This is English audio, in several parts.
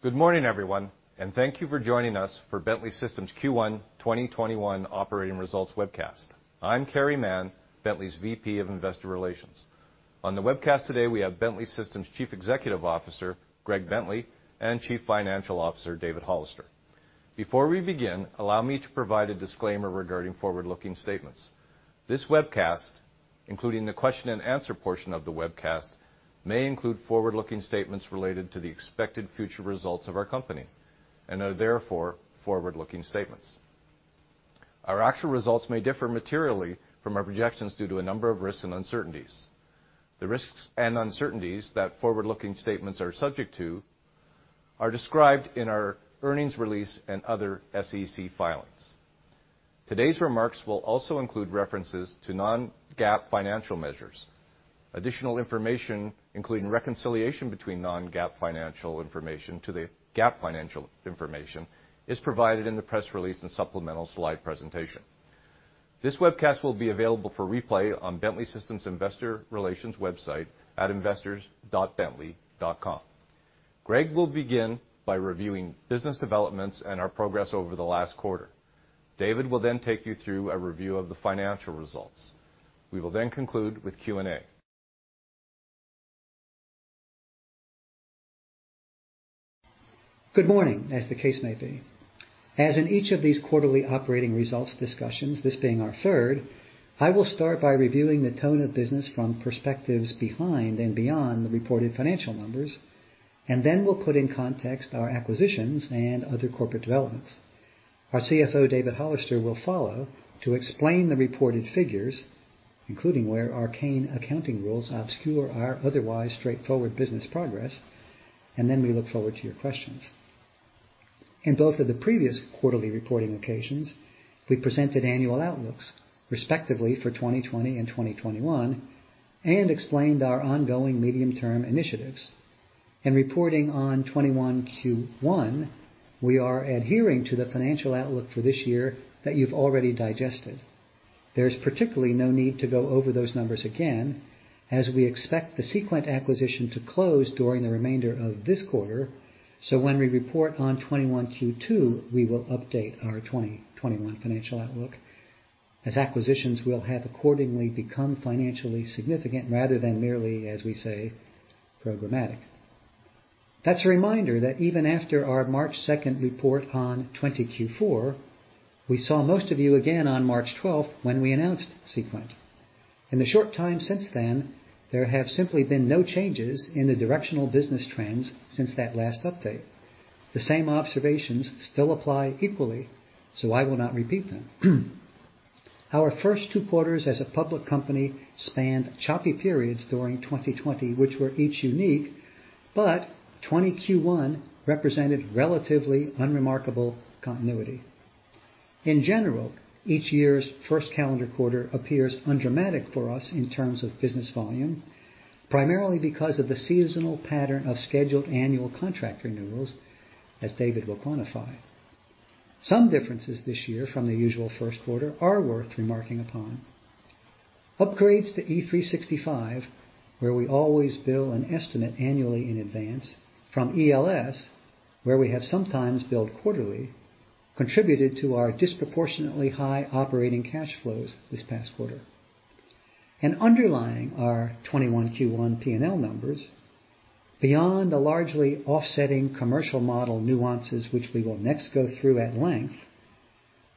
Good morning, everyone, thank you for joining us for Bentley Systems Q1 2021 operating results webcast. I'm Carey Mann, Bentley's VP of investor relations. On the webcast today, we have Bentley Systems Chief Executive Officer, Greg Bentley, and Chief Financial Officer, David Hollister. Before we begin, allow me to provide a disclaimer regarding forward-looking statements. This webcast, including the question and answer portion of the webcast, may include forward-looking statements related to the expected future results of our company and are therefore forward-looking statements. Our actual results may differ materially from our projections due to a number of risks and uncertainties. The risks and uncertainties that forward-looking statements are subject to are described in our earnings release and other SEC filings. Today's remarks will also include references to non-GAAP financial measures. Additional information, including reconciliation between non-GAAP financial information to the GAAP financial information, is provided in the press release and supplemental slide presentation. This webcast will be available for replay on Bentley Systems investor relations website at investors.bentley.com. Greg will begin by reviewing business developments and our progress over the last quarter. David will take you through a review of the financial results. We will conclude with Q&A. Good morning, as the case may be. As in each of these quarterly operating results discussions, this being our third, I will start by reviewing the tone of business from perspectives behind and beyond the reported financial numbers, and then we'll put in context our acquisitions and other corporate developments. Our CFO, David Hollister, will follow to explain the reported figures, including where arcane accounting rules obscure our otherwise straightforward business progress, and then we look forward to your questions. In both of the previous quarterly reporting occasions, we presented annual outlooks, respectively for 2020 and 2021, and explained our ongoing medium-term initiatives. In reporting on 2021 Q1, we are adhering to the financial outlook for this year that you've already digested. There's particularly no need to go over those numbers again, as we expect the Seequent acquisition to close during the remainder of this quarter. When we report on 2021 Q2, we will update our 2021 financial outlook, as acquisitions will have accordingly become financially significant rather than merely, as we say, programmatic. That's a reminder that even after our March 2nd report on 2020 Q4, we saw most of you again on March 12th when we announced Seequent. In the short time since then, there have simply been no changes in the directional business trends since that last update. The same observations still apply equally. I will not repeat them. Our first two quarters as a public company spanned choppy periods during 2020, which were each unique, but 2020 Q1 represented relatively unremarkable continuity. In general, each year's first calendar quarter appears undramatic for us in terms of business volume, primarily because of the seasonal pattern of scheduled annual contract renewals, as David will quantify. Some differences this year from the usual first quarter are worth remarking upon. Upgrades to E365, where we always bill an estimate annually in advance from ELS, where we have sometimes billed quarterly, contributed to our disproportionately high operating cash flows this past quarter. Underlying our 2021 Q1 P&L numbers, beyond the largely offsetting commercial model nuances which we will next go through at length,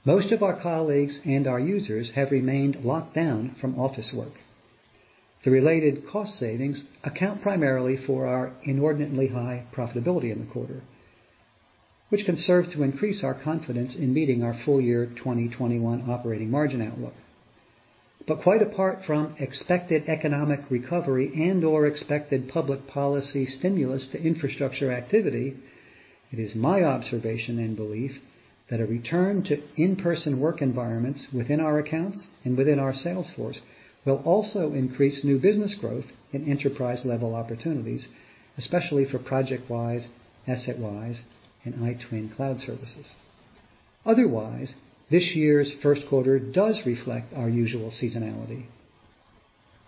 most of our colleagues and our users have remained locked down from office work. The related cost savings account primarily for our inordinately high profitability in the quarter, which can serve to increase our confidence in meeting our full year 2021 operating margin outlook. Quite apart from expected economic recovery and/or expected public policy stimulus to infrastructure activity, it is my observation and belief that a return to in-person work environments within our accounts and within our sales force will also increase new business growth in enterprise-level opportunities, especially for ProjectWise, AssetWise, and iTwin Cloud Services. Otherwise, this year's first quarter does reflect our usual seasonality.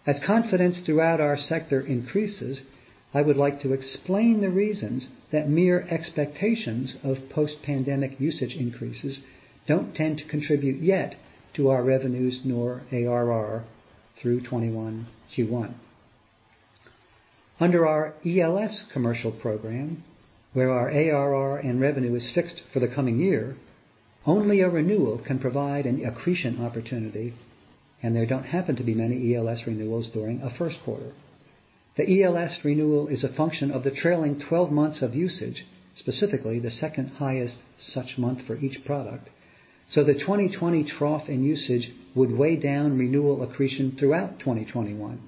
As confidence throughout our sector increases, I would like to explain the reasons that mere expectations of post-pandemic usage increases don't tend to contribute yet to our revenues nor ARR through 2021 Q1. Under our ELS commercial program, where our ARR and revenue is fixed for the coming year, only a renewal can provide an accretion opportunity, and there don't happen to be many ELS renewals during a first quarter. The ELS renewal is a function of the trailing 12 months of usage, specifically the second highest such month for each product. The 2020 trough in usage would weigh down renewal accretion throughout 2021.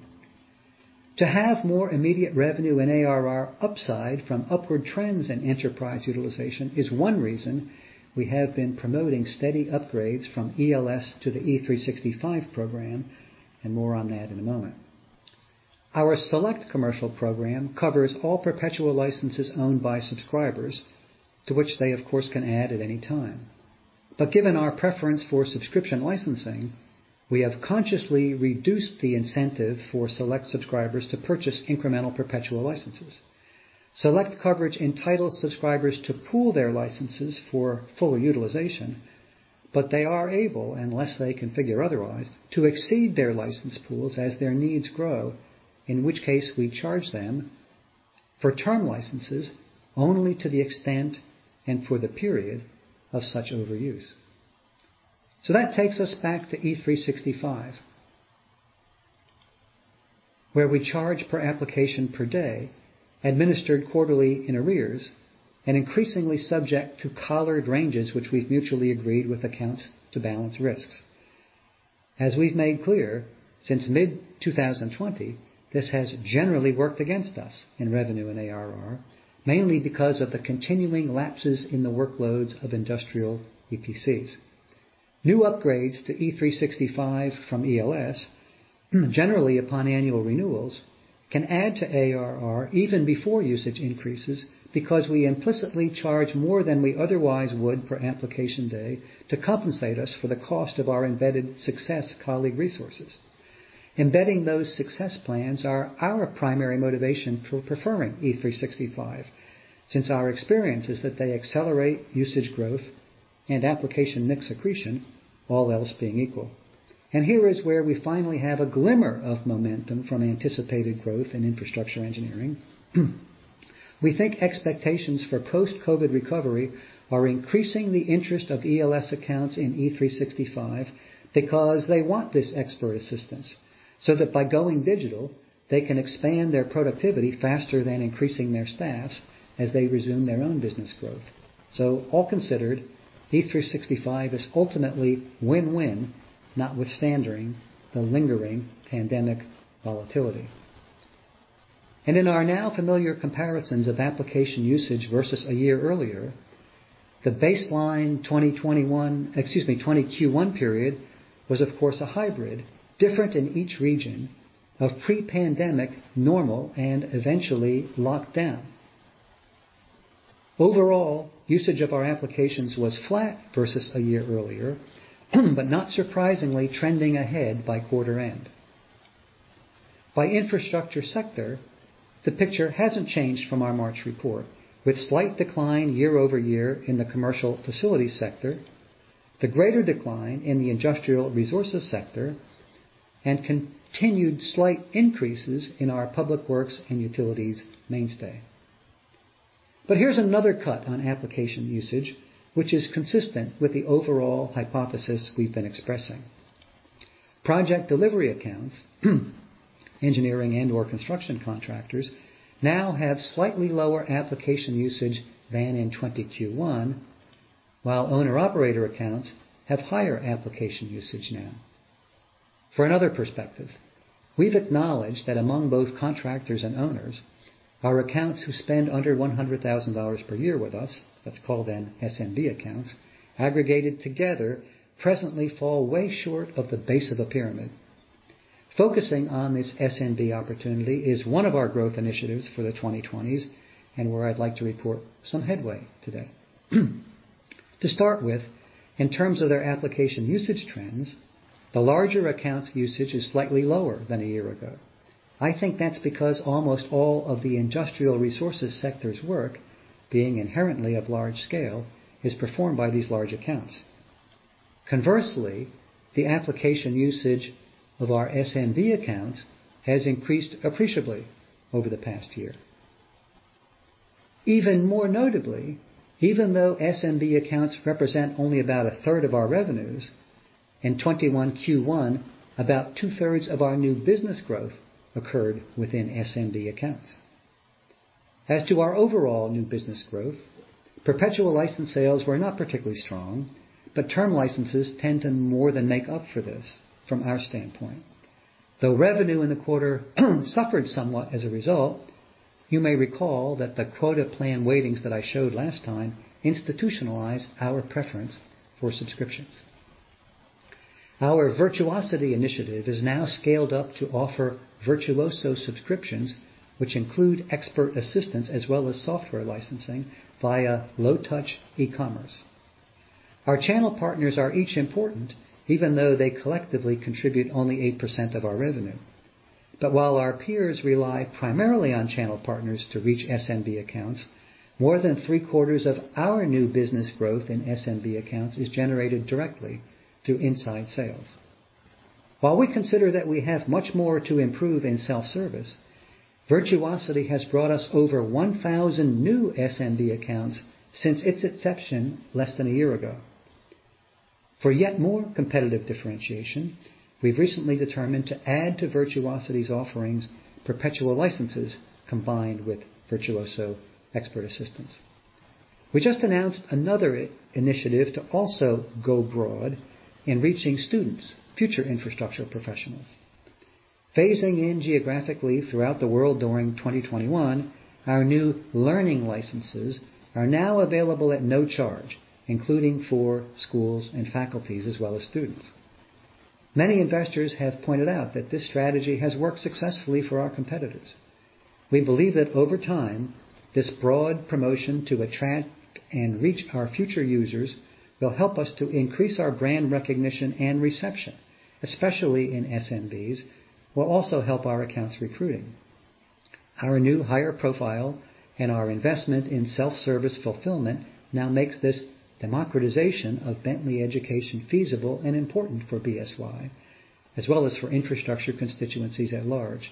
To have more immediate revenue and ARR upside from upward trends in enterprise utilization is one reason we have been promoting steady upgrades from ELS to the E365 program. More on that in a moment. Our SELECT commercial program covers all perpetual licenses owned by subscribers, to which they of course can add at any time. Given our preference for subscription licensing, we have consciously reduced the incentive for SELECT subscribers to purchase incremental perpetual licenses. SELECT coverage entitles subscribers to pool their licenses for full utilization, but they are able, unless they configure otherwise, to exceed their license pools as their needs grow, in which case we charge them for term licenses only to the extent and for the period of such overuse. That takes us back to E365, where we charge per application per day, administered quarterly in arrears, and increasingly subject to collared ranges, which we've mutually agreed with accounts to balance risks. As we've made clear, since mid-2020, this has generally worked against us in revenue and ARR, mainly because of the continuing lapses in the workloads of industrial EPCs. New upgrades to E365 from ELS, generally upon annual renewals, can add to ARR even before usage increases because we implicitly charge more than we otherwise would per application day to compensate us for the cost of our embedded success colleague resources. Embedding those success plans are our primary motivation for preferring E365, since our experience is that they accelerate usage growth and application mix accretion, all else being equal. Here is where we finally have a glimmer of momentum from anticipated growth in infrastructure engineering. We think expectations for post-COVID recovery are increasing the interest of ELS accounts in E365 because they want this expert assistance, so that by going digital, they can expand their productivity faster than increasing their staffs as they resume their own business growth. All considered, E365 is ultimately win-win, notwithstanding the lingering pandemic volatility. In our now familiar comparisons of application usage versus a year earlier, the baseline 2020 Q1 period was, of course, a hybrid, different in each region of pre-pandemic, normal, and eventually lockdown. Overall, usage of our applications was flat versus a year earlier, but not surprisingly, trending ahead by quarter end. By infrastructure sector, the picture hasn't changed from our March report, with slight decline year-over-year in the commercial facilities sector, the greater decline in the industrial resources sector, and continued slight increases in our public works and utilities mainstay. Here's another cut on application usage, which is consistent with the overall hypothesis we've been expressing. Project delivery accounts, engineering and/or construction contractors, now have slightly lower application usage than in 2020 Q1, while owner/operator accounts have higher application usage now. For another perspective, we've acknowledged that among both contractors and owners, our accounts who spend under $100,000 per year with us, let's call them SMB accounts, aggregated together presently fall way short of the base of the pyramid. Focusing on this SMB opportunity is one of our growth initiatives for the 2020s and where I'd like to report some headway today. To start with, in terms of their application usage trends, the larger accounts usage is slightly lower than a year ago. I think that's because almost all of the industrial resources sector's work, being inherently of large scale, is performed by these large accounts. Conversely, the application usage of our SMB accounts has increased appreciably over the past year. Even more notably, even though SMB accounts represent only about 1/3 of our revenues, in 2021 Q1, about 2/3 of our new business growth occurred within SMB accounts. As to our overall new business growth, perpetual license sales were not particularly strong, but term licenses tend to more than make up for this from our standpoint. Though revenue in the quarter suffered somewhat as a result, you may recall that the quota plan weightings that I showed last time institutionalized our preference for subscriptions. Our Virtuosity initiative is now scaled up to offer Virtuoso subscriptions, which include expert assistance as well as software licensing via low-touch e-commerce. Our channel partners are each important, even though they collectively contribute only 8% of our revenue. While our peers rely primarily on channel partners to reach SMB accounts, more than three-quarters of our new business growth in SMB accounts is generated directly through inside sales. While we consider that we have much more to improve in self-service, Virtuosity has brought us over 1,000 new SMB accounts since its inception less than a year ago. For yet more competitive differentiation, we've recently determined to add to Virtuosity's offerings perpetual licenses combined with Virtuoso expert assistance. We just announced another initiative to also go broad in reaching students, future infrastructure professionals. Phasing in geographically throughout the world during 2021, our new learning licenses are now available at no charge, including for schools and faculties as well as students. Many investors have pointed out that this strategy has worked successfully for our competitors. We believe that over time, this broad promotion to attract and reach our future users will help us to increase our brand recognition and reception, especially in SMBs, will also help our accounts recruiting. Our new higher profile and our investment in self-service fulfillment now makes this democratization of Bentley Education feasible and important for BSY, as well as for infrastructure constituencies at large.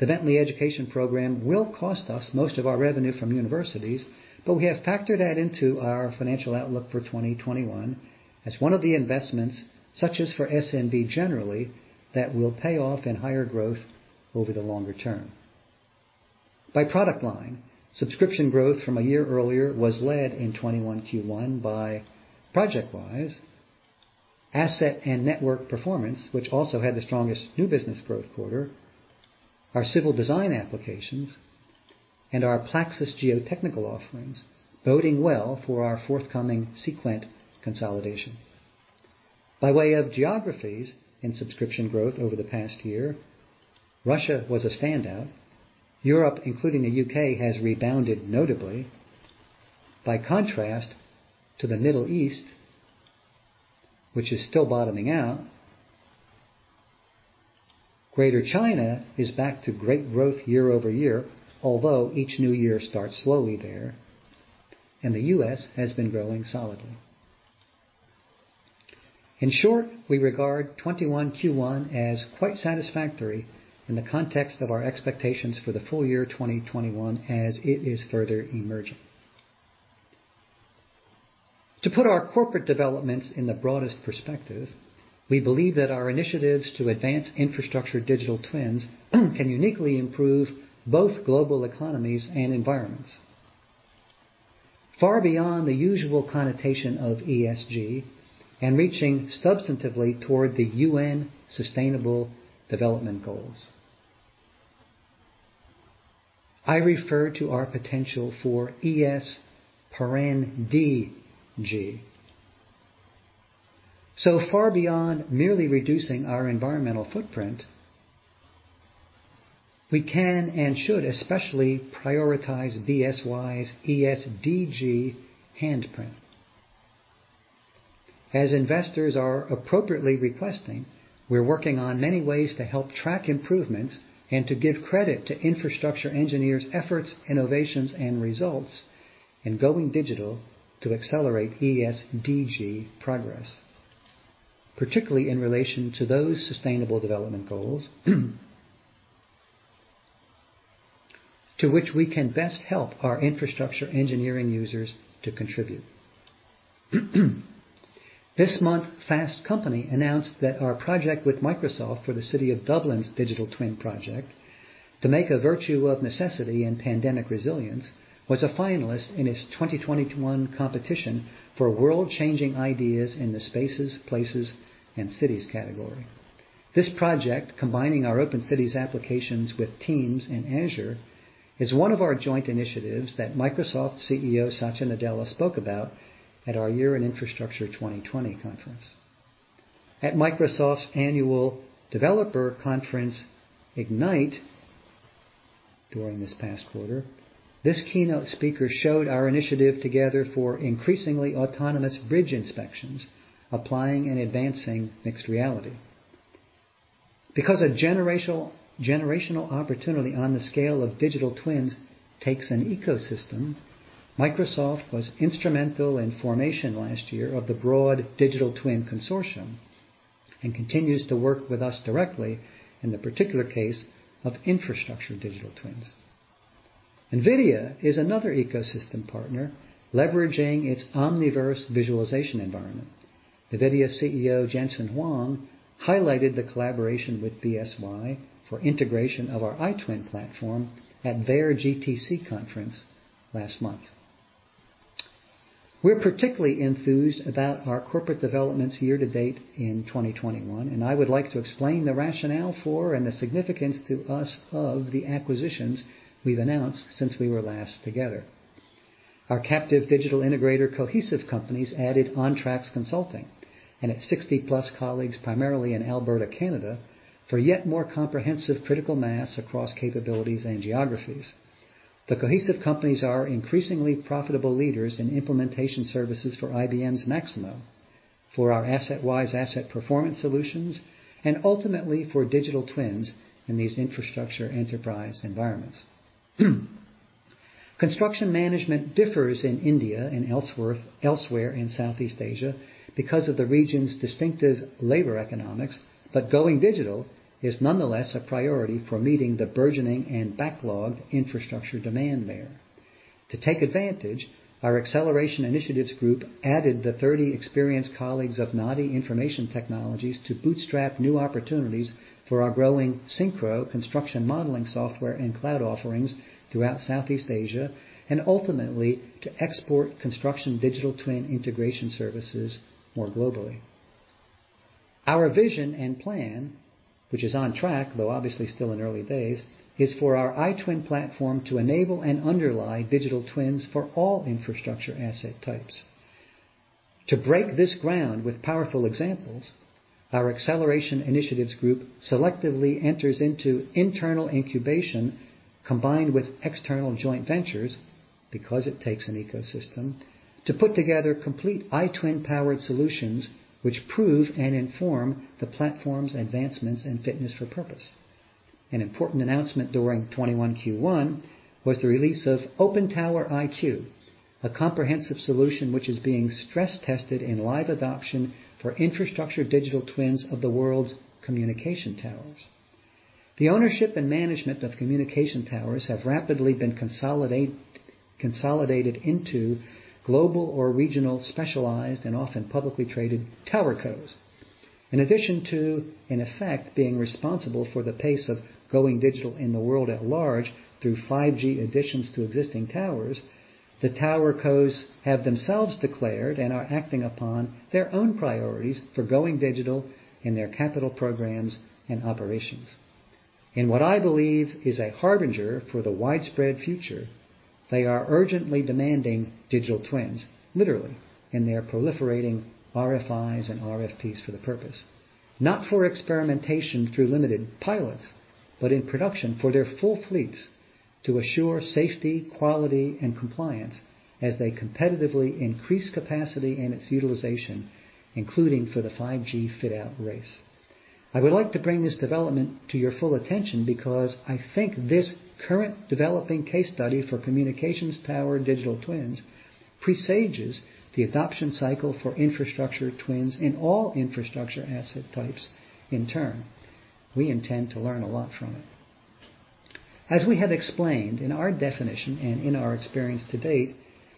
The Bentley Education program will cost us most of our revenue from universities, but we have factored that into our financial outlook for 2021 as one of the investments, such as for SMB generally, that will pay off in higher growth over the longer term. By product line, subscription growth from a year earlier was led in 2021 Q1 by ProjectWise, Asset and Network Performance, which also had the strongest new business growth quarter, our civil design applications, and our PLAXIS geotechnical offerings, boding well for our forthcoming Seequent consolidation. By way of geographies in subscription growth over the past year, Russia was a standout. Europe, including the U.K., has rebounded notably. By contrast to the Middle East, which is still bottoming out, Greater China is back to great growth year-over-year, although each new year starts slowly there, and the U.S. has been growing solidly. In short, we regard 2021 Q1 as quite satisfactory in the context of our expectations for the full year 2021 as it is further emerging. To put our corporate developments in the broadest perspective, we believe that our initiatives to advance infrastructure digital twins can uniquely improve both global economies and environments. Far beyond the usual connotation of ESG and reaching substantively toward the UN Sustainable Development Goals. I refer to our potential for ES(D)G. Far beyond merely reducing our environmental footprint, we can and should especially prioritize BSY's ES(D)G handprint. As investors are appropriately requesting, we're working on many ways to help track improvements and to give credit to infrastructure engineers' efforts, innovations, and results in going digital to accelerate ES(D)G progress, particularly in relation to those sustainable development goals to which we can best help our infrastructure engineering users to contribute. This month, Fast Company announced that our project with Microsoft for the City of Dublin's digital twin project to make a virtue of necessity and pandemic resilience, was a finalist in its 2021 competition for World-Changing Ideas in the Spaces, Places, and Cities category. This project, combining our OpenCities applications with Teams and Azure, is one of our joint initiatives that Microsoft CEO Satya Nadella spoke about at our Year in Infrastructure 2020 conference. At Microsoft's annual developer conference, Ignite, during this past quarter, this keynote speaker showed our initiative together for increasingly autonomous bridge inspections, applying and advancing mixed reality. Because a generational opportunity on the scale of digital twins takes an ecosystem, Microsoft was instrumental in formation last year of the broad Digital Twin Consortium and continues to work with us directly in the particular case of infrastructure digital twins. NVIDIA is another ecosystem partner leveraging its Omniverse visualization environment. NVIDIA CEO Jensen Huang highlighted the collaboration with BSY for integration of our iTwin platform at their GTC conference last month. We're particularly enthused about our corporate developments year to date in 2021, and I would like to explain the rationale for and the significance to us of the acquisitions we've announced since we were last together. Our captive digital integrator The Cohesive Companies added Ontracks Consulting and its 60-plus colleagues, primarily in Alberta, Canada, for yet more comprehensive critical mass across capabilities and geographies. The Cohesive Companies are increasingly profitable leaders in implementation services for IBM's Maximo, for our AssetWise asset performance solutions, and ultimately for digital twins in these infrastructure enterprise environments. Construction management differs in India and elsewhere in Southeast Asia because of the region's distinctive labor economics, but going digital is nonetheless a priority for meeting the burgeoning and backlogged infrastructure demand there. To take advantage, our acceleration initiatives group added the 30 experienced colleagues of Nadhi Information Technologies to bootstrap new opportunities for our growing SYNCHRO construction modeling software and cloud offerings throughout Southeast Asia, and ultimately to export construction digital twin integration services more globally. Our vision and plan, which is on track, though obviously still in the early days, is for our iTwin platform to enable and underlie digital twins for all infrastructure asset types. To break this ground with powerful examples, our Acceleration Initiatives group selectively enters into internal incubation combined with external joint ventures, because it takes an ecosystem, to put together complete iTwin-powered solutions which prove and inform the platform's advancements and fitness for purpose. An important announcement during 2021 Q1 was the release of OpenTower iQ, a comprehensive solution which is being stress tested in live adoption for infrastructure digital twins of the world's communication towers. The ownership and management of communication towers have rapidly been consolidated into global or regional specialized, and often publicly traded, towercos. In addition to, in effect, being responsible for the pace of going digital in the world at large through 5G additions to existing towers, the towercos have themselves declared and are acting upon their own priorities for going digital in their capital programs and operations. In what I believe is a harbinger for the widespread future, they are urgently demanding digital twins, literally, in their proliferating RFIs and RFPs for the purpose. Not for experimentation through limited pilots, but in production for their full fleets to assure safety, quality, and compliance as they competitively increase capacity and its utilization, including for the 5G fit-out race. I would like to bring this development to your full attention because I think this current developing case study for communications tower digital twins presages the adoption cycle for infrastructure twins in all infrastructure asset types in turn. We intend to learn a lot from it. As we have explained, in our definition and in our experience to date,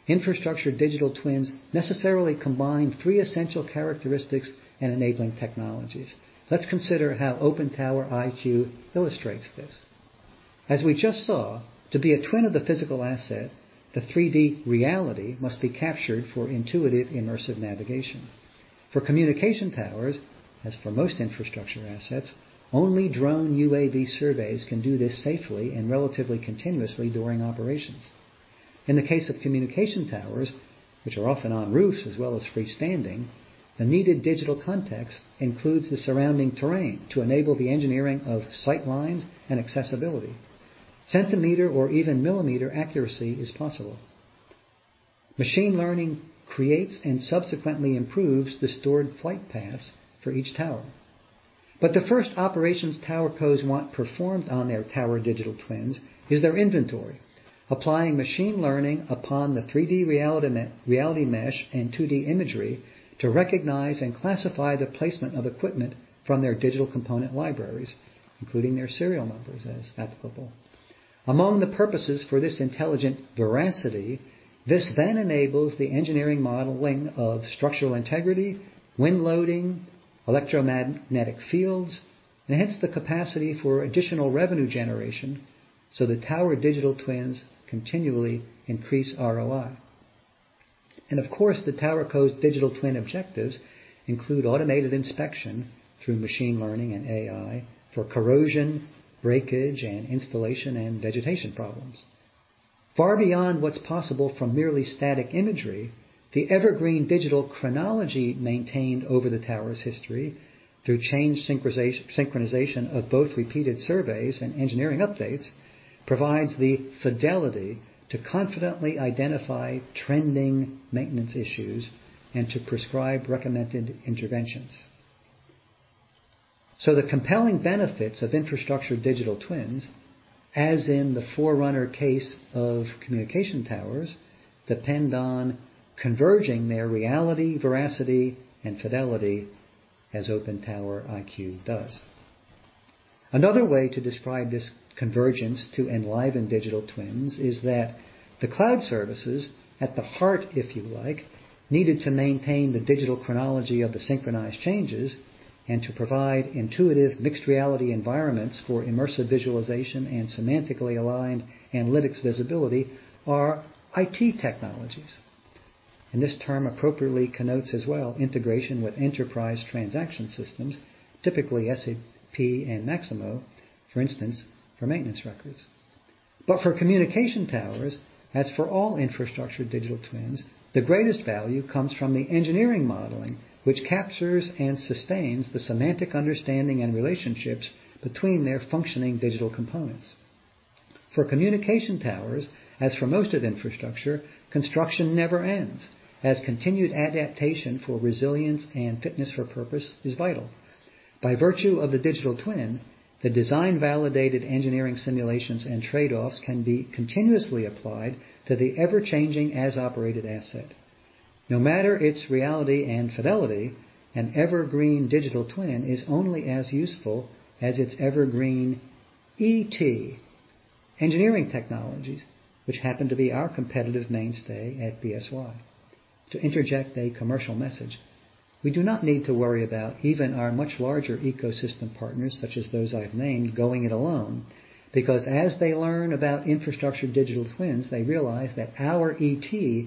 infrastructure digital twins necessarily combine three essential characteristics and enabling technologies. Let's consider how OpenTower iQ illustrates this. As we just saw, to be a twin of the physical asset, the 3D reality must be captured for intuitive, immersive navigation. For communication towers, as for most infrastructure assets, only drone UAV surveys can do this safely and relatively continuously during operations. In the case of communication towers, which are often on roofs as well as freestanding, the needed digital context includes the surrounding terrain to enable the engineering of sight lines and accessibility. Centimeter or even millimeter accuracy is possible. Machine learning creates and subsequently improves the stored flight paths for each tower. The first operations towercos want performed on their tower digital twins is their inventory, applying machine learning upon the 3D reality mesh and 2D imagery to recognize and classify the placement of equipment from their digital component libraries, including their serial numbers as applicable. Among the purposes for this intelligent veracity, this then enables the engineering modeling of structural integrity, wind loading, electromagnetic fields, and hence the capacity for additional revenue generation, so the tower digital twins continually increase ROI. Of course, the towercos' digital twin objectives include automated inspection through machine learning and AI for corrosion, breakage, and installation, and vegetation problems. Far beyond what's possible from merely static imagery, the evergreen digital chronology maintained over the tower's history through change synchronization of both repeated surveys and engineering updates provides the fidelity to confidently identify trending maintenance issues and to prescribe recommended interventions. The compelling benefits of infrastructure digital twins, as in the forerunner case of communication towers, depend on converging their reality, veracity, and fidelity as OpenTower iQ does. Another way to describe this convergence to enliven digital twins is that the cloud services at the heart, if you like, needed to maintain the digital chronology of the synchronized changes and to provide intuitive mixed reality environments for immersive visualization and semantically aligned analytics visibility are IT technologies. This term appropriately connotes as well integration with enterprise transaction systems, typically SAP and Maximo, for instance, for maintenance records. For communication towers, as for all infrastructure digital twins, the greatest value comes from the engineering modeling, which captures and sustains the semantic understanding and relationships between their functioning digital components. For communication towers, as for most of infrastructure, construction never ends, as continued adaptation for resilience and fitness for purpose is vital. By virtue of the digital twin, the design-validated engineering simulations and trade-offs can be continuously applied to the ever-changing as-operated asset. No matter its reality and fidelity, an evergreen digital twin is only as useful as its evergreen ET, engineering technologies, which happen to be our competitive mainstay at BSY. To interject a commercial message, we do not need to worry about even our much larger ecosystem partners, such as those I've named, going it alone, because as they learn about infrastructure digital twins, they realize that our ET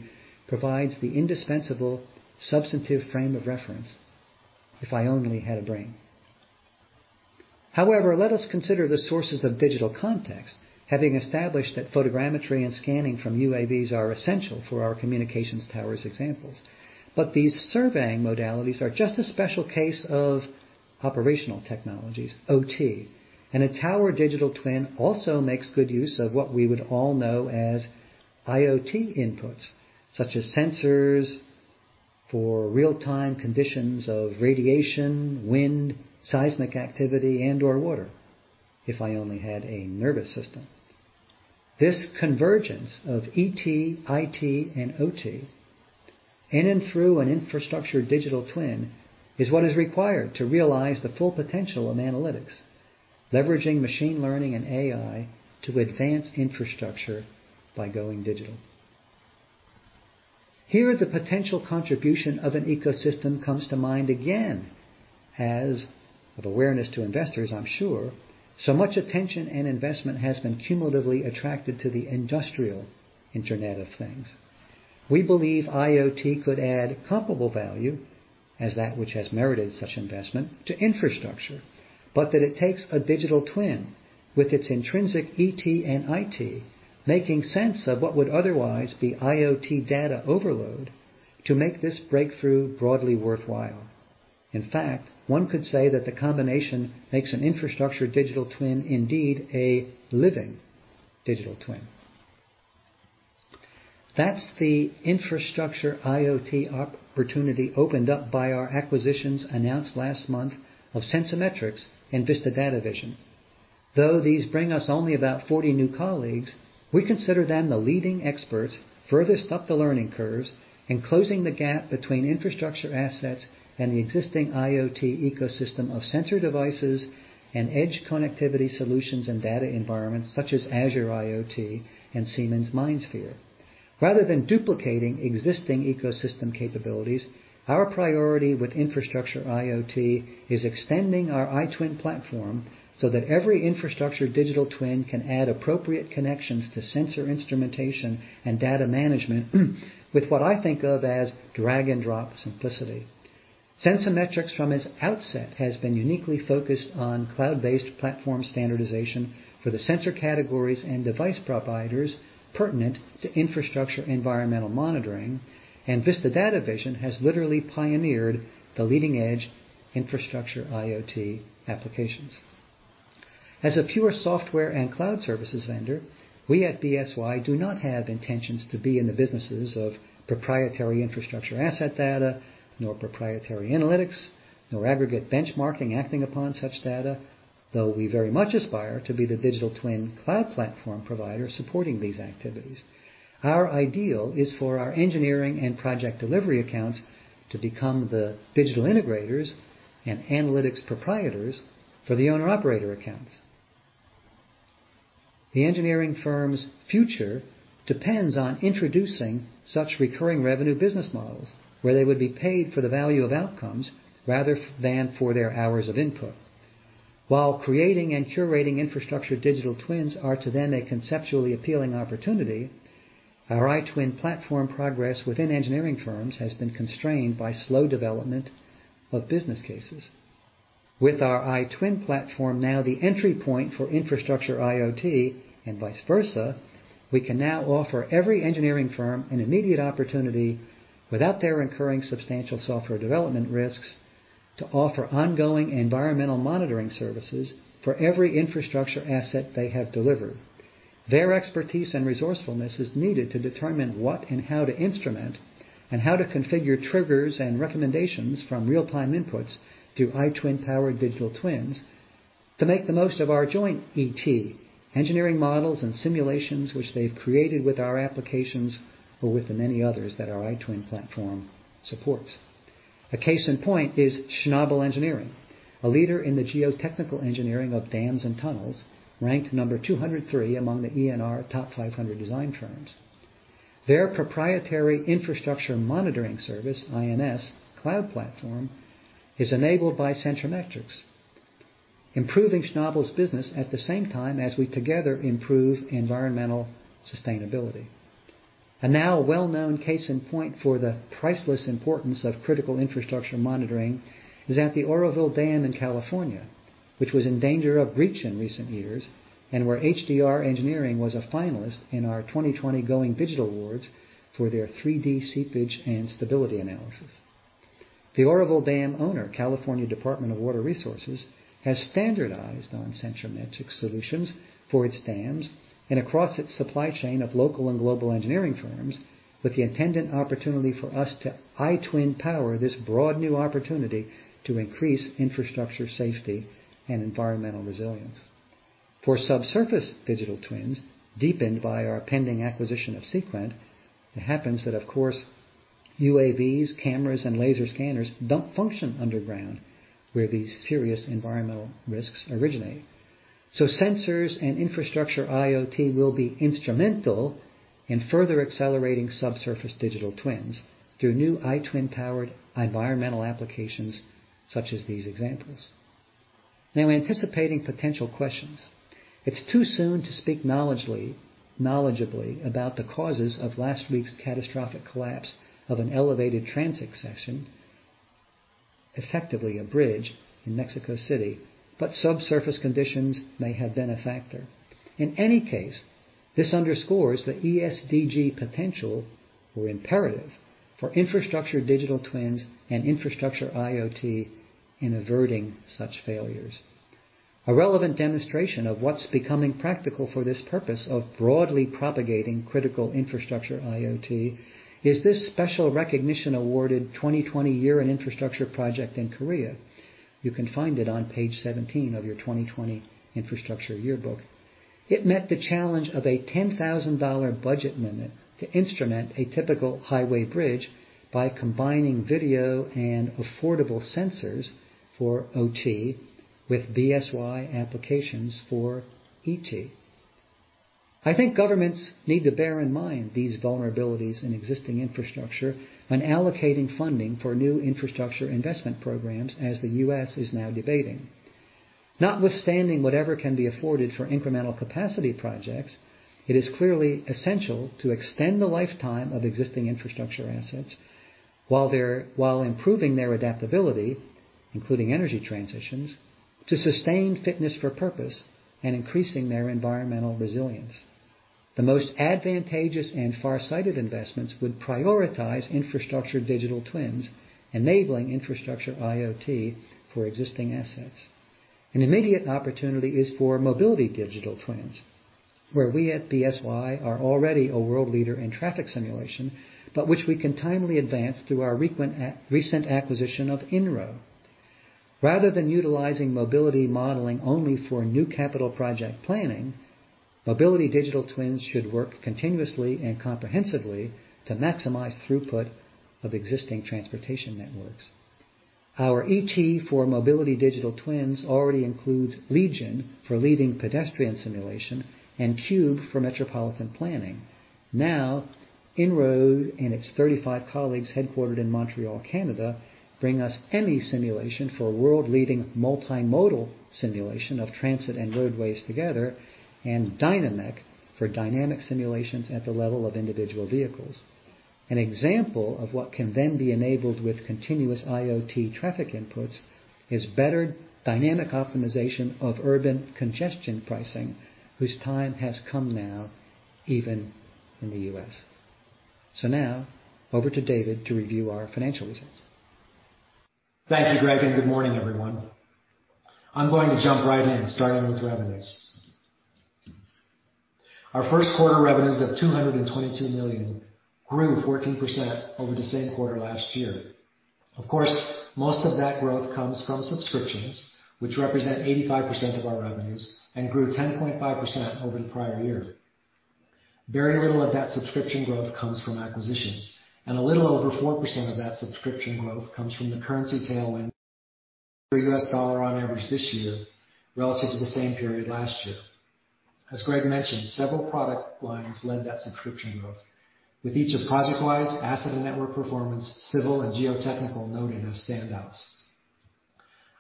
provides the indispensable substantive frame of reference. If I only had a brain. However, let us consider the sources of digital context, having established that photogrammetry and scanning from UAVs are essential for our communications towers examples. These surveying modalities are just a special case of Operational Technologies, OT, and a tower digital twin also makes good use of what we would all know as IoT inputs, such as sensors for real-time conditions of radiation, wind, seismic activity, and/or water. If I only had a nervous system. This convergence of ET, IT, and OT in and through an infrastructure digital twin is what is required to realize the full potential of analytics, leveraging machine learning and AI to advance infrastructure by going digital. Here, the potential contribution of an ecosystem comes to mind again, as, of awareness to investors I'm sure, so much attention and investment has been cumulatively attracted to the industrial Internet of Things. We believe IoT could add comparable value, as that which has merited such investment, to infrastructure, that it takes a digital twin with its intrinsic ET and IT making sense of what would otherwise be IoT data overload to make this breakthrough broadly worthwhile. In fact, one could say that the combination makes an infrastructure digital twin indeed a living digital twin. That's the infrastructure IoT opportunity opened up by our acquisitions announced last month of sensemetrics and Vista Data Vision. These bring us only about 40 new colleagues, we consider them the leading experts furthest up the learning curves in closing the gap between infrastructure assets and the existing IoT ecosystem of sensor devices and edge connectivity solutions and data environments such as Azure IoT and Siemens MindSphere. Rather than duplicating existing ecosystem capabilities, our priority with infrastructure IoT is extending our iTwin platform so that every infrastructure digital twin can add appropriate connections to sensor instrumentation and data management with what I think of as drag and drop simplicity. sensemetrics, from its outset, has been uniquely focused on cloud-based platform standardization for the sensor categories and device providers pertinent to infrastructure environmental monitoring, and Vista Data Vision has literally pioneered the leading edge infrastructure IoT applications. As a pure software and cloud services vendor, we at BSY do not have intentions to be in the businesses of proprietary infrastructure asset data, nor proprietary analytics, nor aggregate benchmarking acting upon such data. We very much aspire to be the digital twin cloud platform provider supporting these activities. Our ideal is for our engineering and project delivery accounts to become the digital integrators and analytics proprietors for the owner/operator accounts. The engineering firm's future depends on introducing such recurring revenue business models where they would be paid for the value of outcomes rather than for their hours of input. While creating and curating infrastructure digital twins are to them a conceptually appealing opportunity, our iTwin platform progress within engineering firms has been constrained by slow development of business cases. With our iTwin platform now the entry point for infrastructure IoT and vice versa, we can now offer every engineering firm an immediate opportunity, without their incurring substantial software development risks, to offer ongoing environmental monitoring services for every infrastructure asset they have delivered. Their expertise and resourcefulness is needed to determine what and how to instrument and how to configure triggers and recommendations from real-time inputs through iTwin-powered digital twins to make the most of our joint ET, engineering models and simulations which they've created with our applications or with the many others that our iTwin platform supports. A case in point is Schnabel Engineering, a leader in the geotechnical engineering of dams and tunnels, ranked number 203 among the ENR Top 500 Design Firms. Their proprietary infrastructure monitoring service, INS, cloud platform is enabled by sensemetrics, improving Schnabel's business at the same time as we together improve environmental sustainability. A now well-known case in point for the priceless importance of critical infrastructure monitoring is at the Oroville Dam in California, which was in danger of breach in recent years, and where HDR Engineering was a finalist in our 2020 Going Digital Awards for their 3D seepage and stability analysis. The Oroville Dam owner, California Department of Water Resources, has standardized on sensemetrics solutions for its dams and across its supply chain of local and global engineering firms with the attendant opportunity for us to iTwin-power this broad new opportunity to increase infrastructure safety and environmental resilience. For subsurface digital twins, deepened by our pending acquisition of Seequent, it happens that, of course, UAVs, cameras, and laser scanners don't function underground, where these serious environmental risks originate. Sensors and infrastructure IoT will be instrumental in further accelerating subsurface digital twins through new iTwin-powered environmental applications such as these examples. Now, anticipating potential questions, it's too soon to speak knowledgeably about the causes of last week's catastrophic collapse of an elevated transit section, effectively a bridge in Mexico City, but subsurface conditions may have been a factor. In any case, this underscores the ES(D)G potential or imperative for infrastructure digital twins and infrastructure IoT in averting such failures. A relevant demonstration of what's becoming practical for this purpose of broadly propagating critical infrastructure IoT is this special recognition awarded 2020 Year in Infrastructure project in Korea. You can find it on page 17 of your 2020 infrastructure yearbook. It met the challenge of a $10,000 budget limit to instrument a typical highway bridge by combining video and affordable sensors for OT with BSY applications for ET. I think governments need to bear in mind these vulnerabilities in existing infrastructure when allocating funding for new infrastructure investment programs, as the U.S. is now debating. Notwithstanding whatever can be afforded for incremental capacity projects, it is clearly essential to extend the lifetime of existing infrastructure assets while improving their adaptability, including energy transitions, to sustain fitness for purpose and increasing their environmental resilience. The most advantageous and farsighted investments would prioritize infrastructure digital twins, enabling infrastructure IoT for existing assets. An immediate opportunity is for mobility digital twins, where we at BSY are already a world leader in traffic simulation, but which we can timely advance through our recent acquisition of INRO. Rather than utilizing mobility modeling only for new capital project planning, mobility digital twins should work continuously and comprehensively to maximize throughput of existing transportation networks. Our ET for mobility digital twins already includes LEGION for leading pedestrian simulation and CUBE for metropolitan planning. INRO and its 35 colleagues headquartered in Montreal, Canada, bring us Aimsun for world-leading multimodal simulation of transit and roadways together, and DYNAMEQ for dynamic simulations at the level of individual vehicles. An example of what can then be enabled with continuous IoT traffic inputs is better dynamic optimization of urban congestion pricing, whose time has come now, even in the U.S. Over to David to review our financial results. Thank you, Greg, and good morning, everyone. I'm going to jump right in, starting with revenues. Our first quarter revenues of $222 million grew 14% over the same quarter last year. Most of that growth comes from subscriptions, which represent 85% of our revenues and grew 10.5% over the prior year. Very little of that subscription growth comes from acquisitions, and a little over 4% of that subscription growth comes from the currency tailwind per US dollar on average this year relative to the same period last year. As Greg mentioned, several product lines led that subscription growth, with each of ProjectWise Asset and Network Performance, Civil and Geotechnical noted as standouts.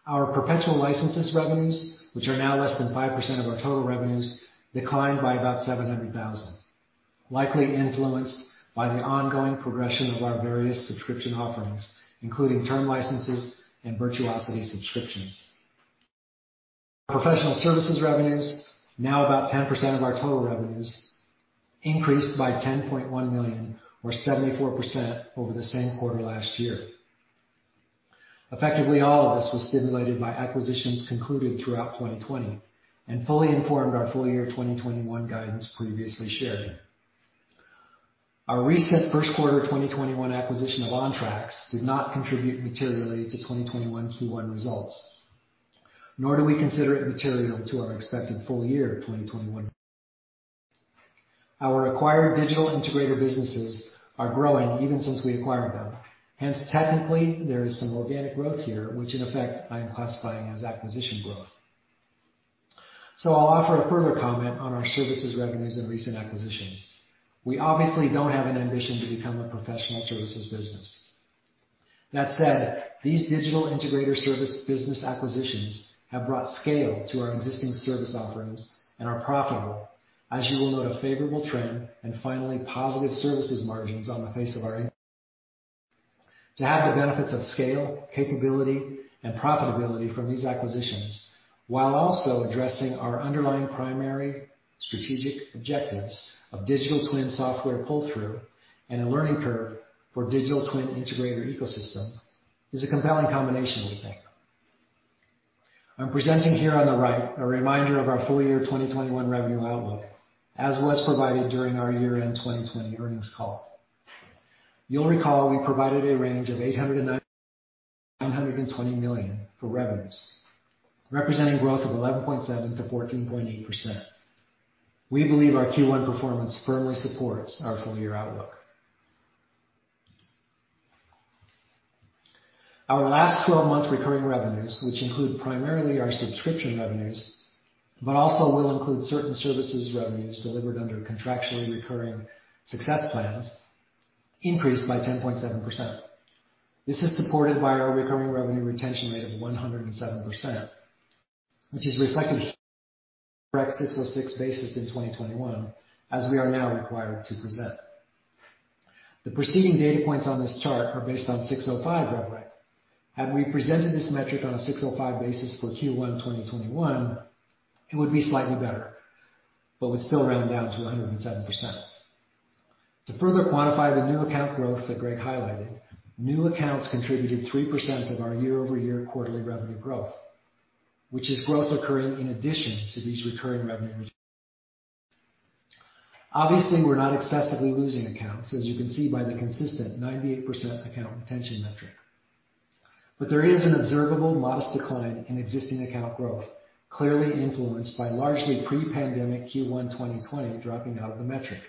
Our perpetual licenses revenues, which are now less than 5% of our total revenues, declined by about $700,000, likely influenced by the ongoing progression of our various subscription offerings, including term licenses and Virtuosity subscriptions. Professional services revenues, now about 10% of our total revenues, increased by $10.1 million or 74% over the same quarter last year. Effectively, all of this was stimulated by acquisitions concluded throughout 2020 and fully informed our full year 2021 guidance previously shared. Our recent first quarter 2021 acquisition of Ontracks did not contribute materially to 2021 Q1 results, nor do we consider it material to our expected full year 2021. Our acquired digital integrator businesses are growing even since we acquired them. Hence, technically, there is some organic growth here, which in effect, I am classifying as acquisition growth. I'll offer a further comment on our services revenues and recent acquisitions. We obviously don't have an ambition to become a professional services business. That said, these digital integrator service business acquisitions have brought scale to our existing service offerings and are profitable, as you will note a favorable trend and finally positive services margins on the face of our income. To have the benefits of scale, capability, and profitability from these acquisitions, while also addressing our underlying primary strategic objectives of digital twin software pull-through and a learning curve for digital twin integrator ecosystem, is a compelling combination, we think. I am presenting here on the right a reminder of our full-year 2021 revenue outlook, as was provided during our year-end 2020 earnings call. You will recall we provided a range of $890 million-$920 million for revenues, representing growth of 11.7%-14.8%. We believe our Q1 performance firmly supports our full-year outlook. Our last 12 months recurring revenues, which include primarily our subscription revenues, but also will include certain services revenues delivered under contractually recurring success plans, increased by 10.7%. This is supported by our recurring revenue retention rate of 107%, which is reflected 606 basis in 2021, as we are now required to present. The preceding data points on this chart are based on 605 rev rec. Had we presented this metric on a 605 basis for Q1 2021, it would be slightly better, but would still round down to 107%. To further quantify the new account growth that Greg highlighted, new accounts contributed 3% of our year-over-year quarterly revenue growth, which is growth occurring in addition to these recurring revenue. Obviously, we're not excessively losing accounts, as you can see by the consistent 98% account retention metric. There is an observable modest decline in existing account growth, clearly influenced by largely pre-pandemic Q1 2020 dropping out of the metric,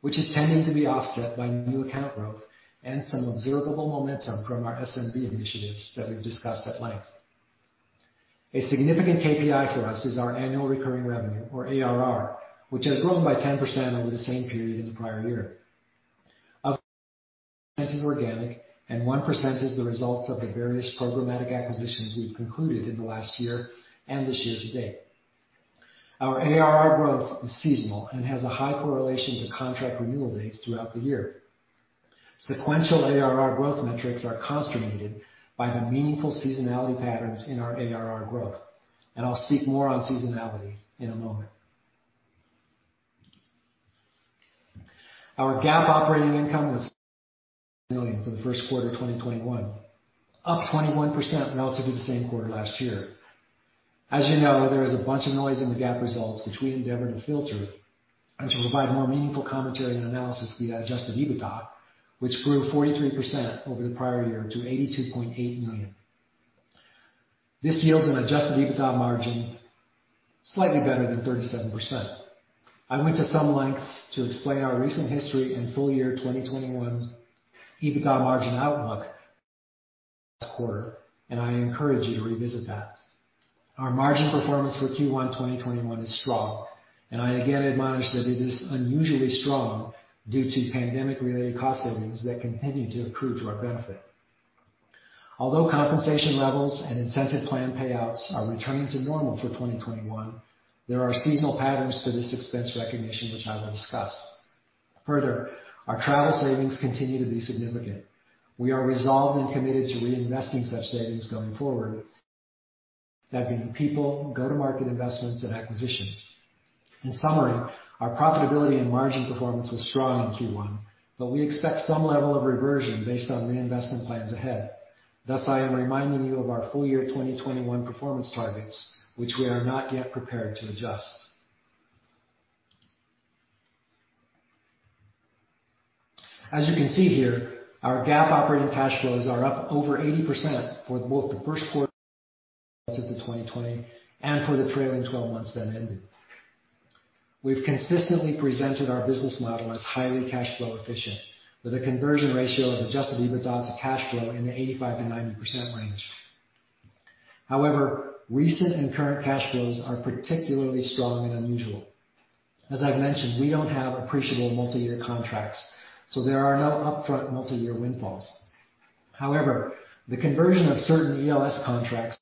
which is tending to be offset by new account growth and some observable momentum from our SMB initiatives that we've discussed at length. A significant KPI for us is our annual recurring revenue, or ARR, which has grown by 10% over the same period in the prior year. Of organic and 1% is the results of the various programmatic acquisitions we've concluded in the last year and this year to date. Our ARR growth is seasonal and has a high correlation to contract renewal dates throughout the year. Sequential ARR growth metrics are constipated by the meaningful seasonality patterns in our ARR growth, and I'll speak more on seasonality in a moment. Our GAAP operating income was million for the first quarter of 2021, up 21% relative to the same quarter last year. As you know, there is a bunch of noise in the GAAP results, which we endeavor to filter and to provide more meaningful commentary and analysis via adjusted EBITDA, which grew 43% over the prior year to $82.8 million. This yields an adjusted EBITDA margin slightly better than 37%. I went to some lengths to explain our recent history and full year 2021 EBITDA margin outlook last quarter, and I encourage you to revisit that. Our margin performance for Q1 2021 is strong, and I again admonish that it is unusually strong due to pandemic-related cost savings that continue to accrue to our benefit. Although compensation levels and incentive plan payouts are returning to normal for 2021, there are seasonal patterns to this expense recognition, which I will discuss. Further, our travel savings continue to be significant. We are resolved and committed to reinvesting such savings going forward, that being people, go-to-market investments, and acquisitions. In summary, our profitability and margin performance was strong in Q1, but we expect some level of reversion based on reinvestment plans ahead. Thus, I am reminding you of our full year 2021 performance targets, which we are not yet prepared to adjust. As you can see here, our GAAP operating cash flows are up over 80% for both the first quarter 2020 and for the trailing 12 months then ended. We've consistently presented our business model as highly cash flow efficient, with a conversion ratio of adjusted EBITDA to cash flow in the 85%-90% range. However, recent and current cash flows are particularly strong and unusual. As I've mentioned, we don't have appreciable multi-year contracts, so there are no upfront multi-year windfalls. However, the conversion of certain ELS contracts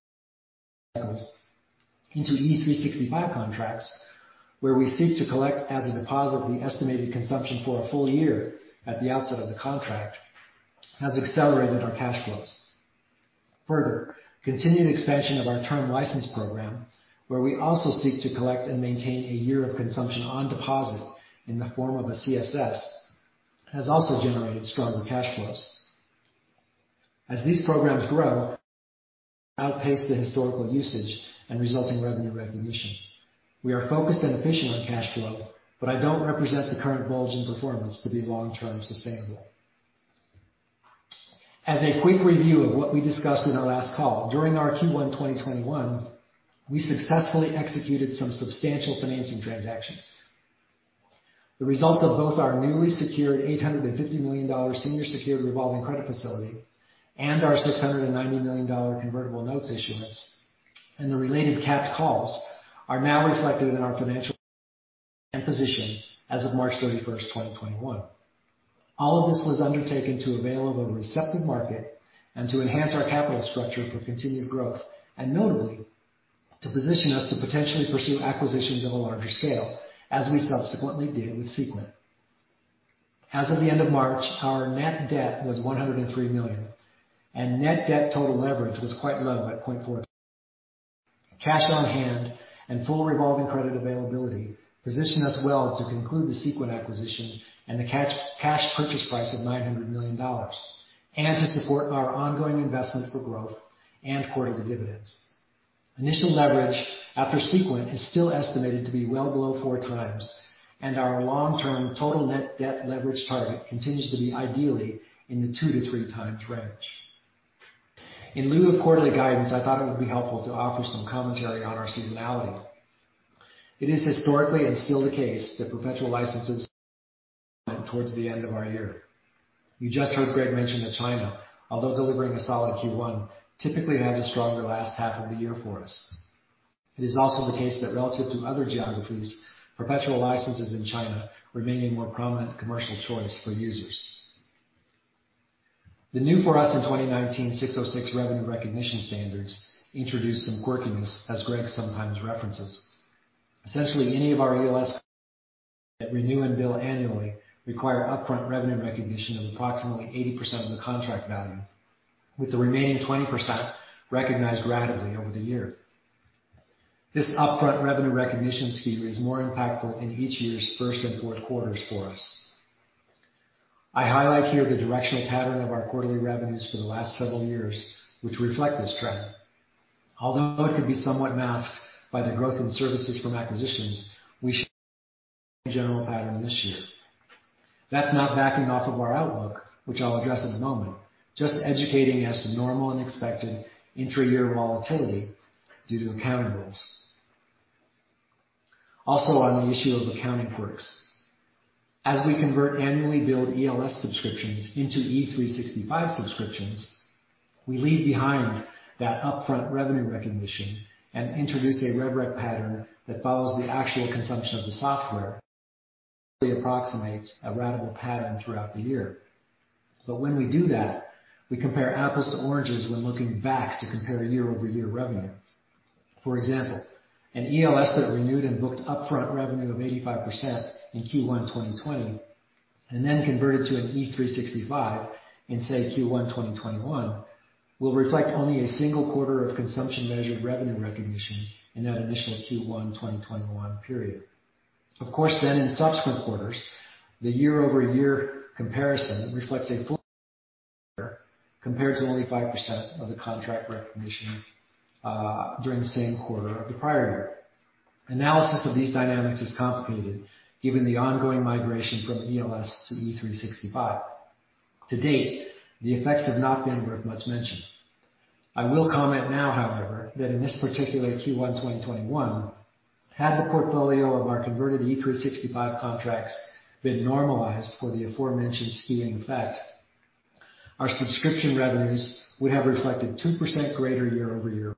into E365 contracts, where we seek to collect as a deposit the estimated consumption for a full year at the outset of the contract, has accelerated our cash flows. Further, continued expansion of our term license program, where we also seek to collect and maintain a year of consumption on deposit in the form of a CSS, has also generated stronger cash flows. As these programs grow, outpace the historical usage and resulting revenue recognition. We are focused and efficient on cash flow, I don't represent the current bulge in performance to be long-term sustainable. As a quick review of what we discussed in our last call, during our Q1 2021, we successfully executed some substantial financing transactions. The results of both our newly secured $850 million senior secured revolving credit facility and our $690 million convertible notes issuance, and the related capped calls are now reflected in our financial position as of March 31st, 2021. All of this was undertaken to avail of a receptive market and to enhance our capital structure for continued growth, and notably, to position us to potentially pursue acquisitions of a larger scale, as we subsequently did with Seequent. As of the end of March, our net debt was $103 million, and net debt total leverage was quite low at 0.4. Cash on hand and full revolving credit availability position us well to conclude the Seequent acquisition and the cash purchase price of $900 million, and to support our ongoing investments for growth and quarterly dividends. Initial leverage after Seequent is still estimated to be well below four times, and our long-term total net debt leverage target continues to be ideally in the two-three times range. In lieu of quarterly guidance, I thought it would be helpful to offer some commentary on our seasonality. It is historically and still the case that perpetual licenses towards the end of our year. You just heard Greg mention that China, although delivering a solid Q1, typically has a stronger last half of the year for us. It is also the case that relative to other geographies, perpetual licenses in China remain a more prominent commercial choice for users. The new for us in 2019 606 revenue recognition standards introduced some quirkiness, as Greg sometimes references. Essentially, any of our ELS contracts that renew and bill annually require upfront revenue recognition of approximately 80% of the contract value, with the remaining 20% recognized ratably over the year. This upfront revenue recognition scheme is more impactful in each year's first and fourth quarters for us. I highlight here the directional pattern of our quarterly revenues for the last several years, which reflect this trend. Although it can be somewhat masked by the growth in services from acquisitions, we should see a similar general pattern this year. That's not backing off of our outlook, which I'll address in a moment, just educating as to normal and expected intra-year volatility due to accounting rules. On the issue of accounting quirks, as we convert annually billed ELS subscriptions into E365 subscriptions, we leave behind that upfront revenue recognition and introduce a rev rec pattern that follows the actual consumption of the software, which roughly approximates a ratable pattern throughout the year. When we do that, we compare apples to oranges when looking back to compare year-over-year revenue. For example, an ELS that renewed and booked upfront revenue of 85% in Q1 2020 and then converted to an E365 in, say, Q1 2021, will reflect only a single quarter of consumption-measured revenue recognition in that initial Q1 2021 period. Of course, in subsequent quarters, the year-over-year comparison reflects a full year compared to only 5% of the contract recognition during the same quarter of the prior year. Analysis of these dynamics is complicated given the ongoing migration from ELS to E365. To date, the effects have not been worth much mention. I will comment now, however, that in this particular Q1 2021, had the portfolio of our converted E365 contracts been normalized for the aforementioned [skew] effect, our subscription revenues would have reflected 2% greater year-over-year growth.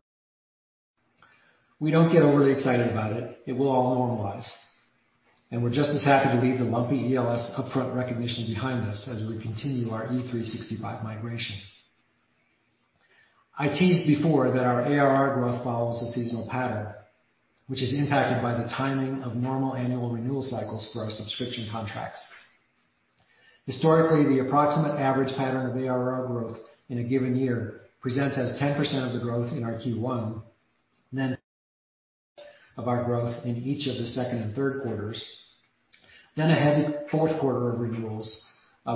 We don't get overly excited about it. It will all normalize, and we're just as happy to leave the lumpy ELS upfront recognition behind us as we continue our E365 migration. I teased before that our ARR growth follows a seasonal pattern, which is impacted by the timing of normal annual renewal cycles for our subscription contracts. Historically, the approximate average pattern of ARR growth in a given year presents as 10% of the growth in our Q1, then of our growth in each of the second and third quarters, then a heavy fourth quarter of renewals,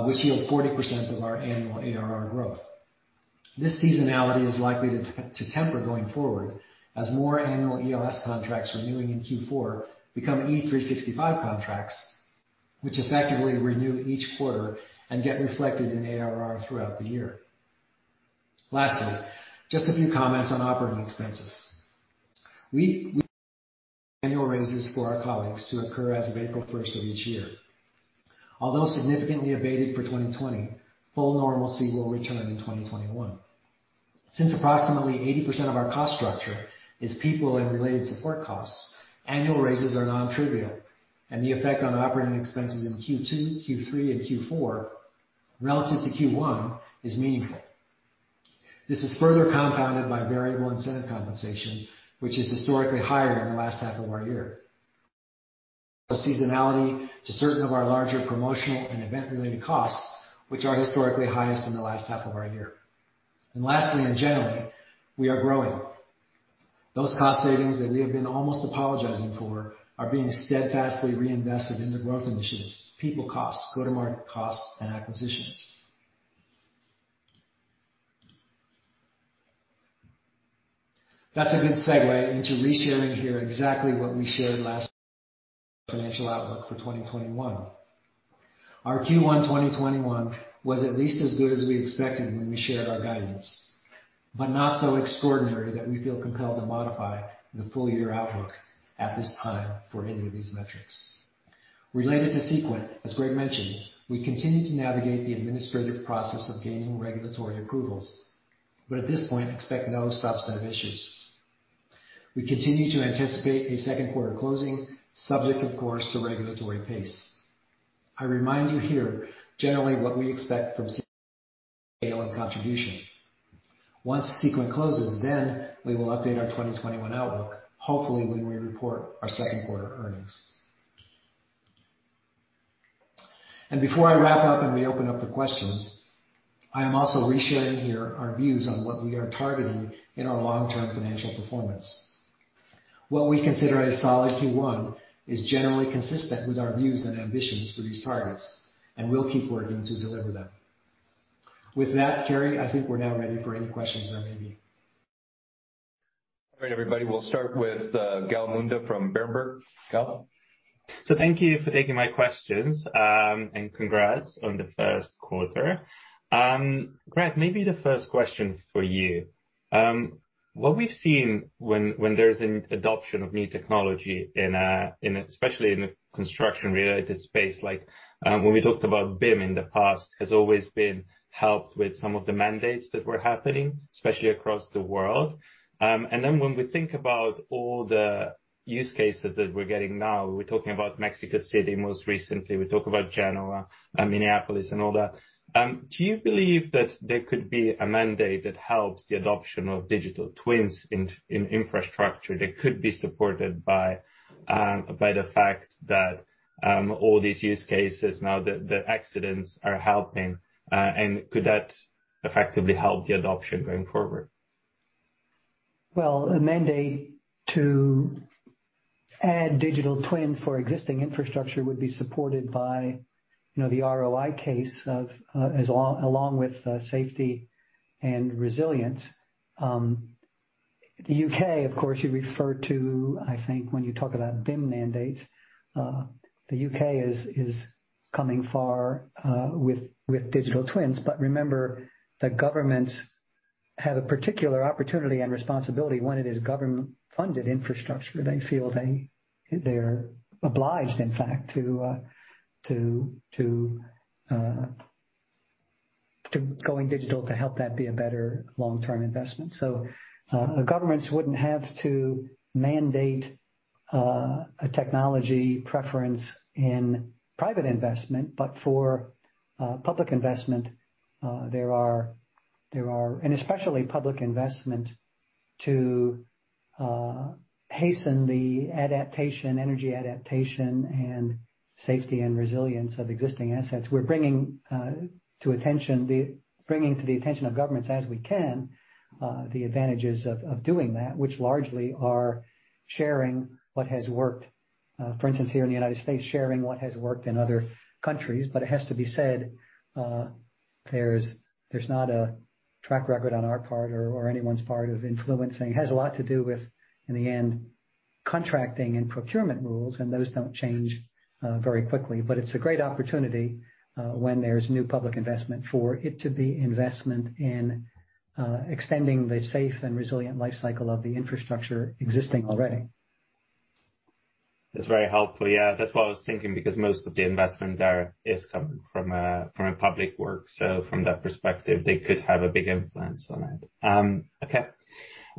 which yield 40% of our annual ARR growth. This seasonality is likely to temper going forward as more annual ELS contracts renewing in Q4 become E365 contracts, which effectively renew each quarter and get reflected in ARR throughout the year. Just a few comments on operating expenses. We continue to offer annual raises for our colleagues to occur as of April 1st of each year. Although significantly abated for 2020, full normalcy will return in 2021. Since approximately 80% of our cost structure is people and related support costs, annual raises are non-trivial, and the effect on operating expenses in Q2, Q3, and Q4 relative to Q1 is meaningful. This is further compounded by variable incentive compensation, which is historically higher in the last half of our year. There's also seasonality to certain of our larger promotional and event-related costs, which are historically highest in the last half of our year. Lastly, and generally, we are growing. Those cost savings that we have been almost apologizing for are being steadfastly reinvested into growth initiatives, people costs, go-to-market costs, and acquisitions. That's a good segue into re-sharing here exactly what we shared last March regarding our financial outlook for 2021. Our Q1 2021 was at least as good as we expected when we shared our guidance, but not so extraordinary that we feel compelled to modify the full-year outlook at this time for any of these metrics. Related to Seequent, as Greg mentioned, we continue to navigate the administrative process of gaining regulatory approvals, but at this point, expect no substantive issues. We continue to anticipate a second quarter closing, subject of course to regulatory pace. I remind you here generally what we expect from Seequent in scale and contribution. Once Seequent closes, we will update our 2021 outlook, hopefully when we report our second quarter earnings. Before I wrap up and reopen up for questions, I am also re-sharing here our views on what we are targeting in our long-term financial performance. What we consider a solid Q1 is generally consistent with our views and ambitions for these targets, and we'll keep working to deliver them. With that, Carey I think we're now ready for any questions there may be. All right, everybody. We'll start with Gal Munda from Berenberg. Gal? Thank you for taking my questions. Congrats on the first quarter. Greg, maybe the first question for you. What we've seen when there's an adoption of new technology, especially in a construction-related space, like when we talked about BIM in the past, has always been helped with some of the mandates that were happening, especially across the world. When we think about all the use cases that we're getting now, we're talking about Mexico City, most recently, we talk about Genoa and Minneapolis and all that. Do you believe that there could be a mandate that helps the adoption of digital twins in infrastructure that could be supported by the fact that all these use cases, now that the accidents are helping? Could that effectively help the adoption going forward? Well, a mandate to add digital twin for existing infrastructure would be supported by the ROI case along with safety and resilience. The U.K., of course, you refer to, I think, when you talk about BIM mandates. The U.K. is coming far with digital twins. Remember that governments have a particular opportunity and responsibility when it is government-funded infrastructure. They feel they're obliged, in fact, to going digital to help that be a better long-term investment. Governments wouldn't have to mandate a technology preference in private investment, but for public investment, and especially public investment to hasten the energy adaptation and safety and resilience of existing assets. We're bringing to the attention of governments as we can, the advantages of doing that, which largely are sharing what has worked. For instance, here in the U.S., sharing what has worked in other countries. It has to be said, there's not a track record on our part or anyone's part of influencing. It has a lot to do with, in the end, contracting and procurement rules, and those don't change very quickly. It's a great opportunity when there's new public investment for it to be investment in extending the safe and resilient life cycle of the infrastructure existing already. That's very helpful. Yeah. That's what I was thinking, because most of the investment there is coming from a public work. From that perspective, they could have a big influence on it. Okay.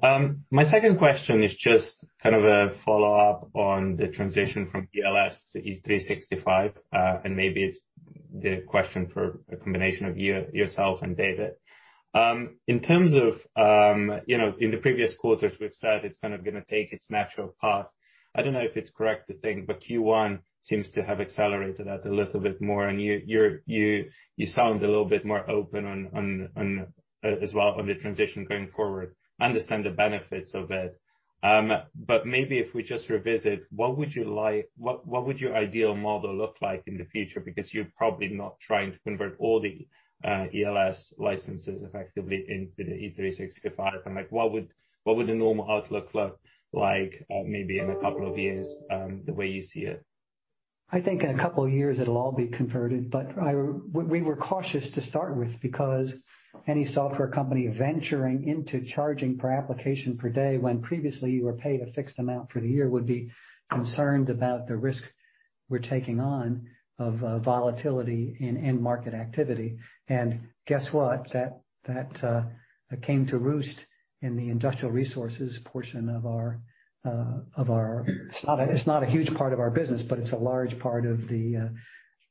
My second question is just a follow-up on the transition from ELS to E365. Maybe it's the question for a combination of yourself and David. In the previous quarters, we've said it's going to take its natural path. I don't know if it's correct to think, Q1 seems to have accelerated that a little bit more. You sound a little bit more open as well on the transition going forward, understand the benefits of it. Maybe if we just revisit, what would your ideal model look like in the future? You're probably not trying to convert all the ELS licenses effectively into the E365. What would the normal outlook look like maybe in a couple of years, the way you see it? I think in a couple of years it'll all be converted. We were cautious to start with because any software company venturing into charging per application per day when previously you were paid a fixed amount for the year would be concerned about the risk we're taking on of volatility in end market activity. Guess what? That came to roost in the industrial resources portion of our. It's not a huge part of our business, but it's a large part of the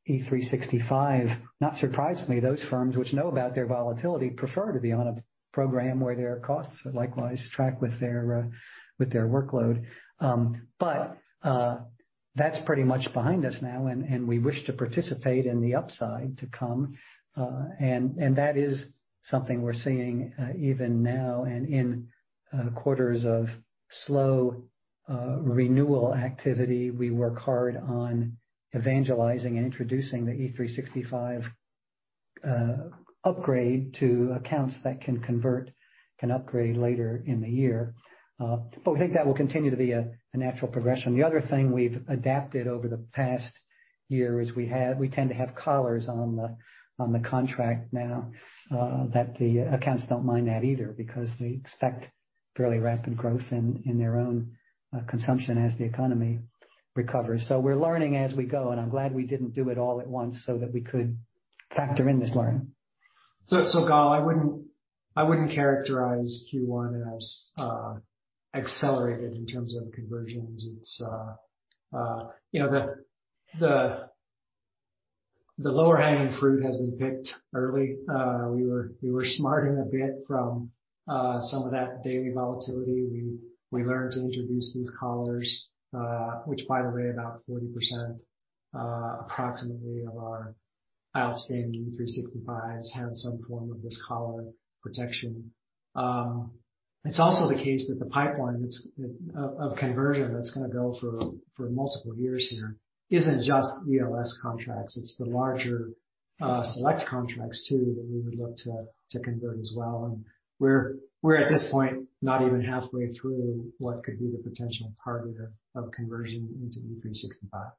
E365. Not surprisingly, those firms which know about their volatility prefer to be on a program where their costs likewise track with their workload. That's pretty much behind us now, and we wish to participate in the upside to come. That is something we're seeing even now. In quarters of slow renewal activity, we work hard on evangelizing and introducing the E365 upgrade to accounts that can convert, upgrade later in the year. We think that will continue to be a natural progression. The other thing we've adapted over the past year is we tend to have collars on the contract now, that the accounts don't mind that either because they expect fairly rapid growth in their own consumption as the economy recovers. We're learning as we go, and I'm glad we didn't do it all at once so that we could factor in this learning. Gal, I wouldn't characterize Q1 as accelerated in terms of conversions. The lower hanging fruit has been picked early. We were smartening a bit from some of that daily volatility. We learned to introduce these collars, which by the way, about 40%, approximately of our outstanding E365s have some form of this collar protection. It's also the case that the pipeline of conversion that's going to go for multiple years here isn't just ELS contracts, it's the larger-SELECT contracts too, that we would look to convert as well. We're at this point, not even halfway through what could be the potential target of conversion into E365.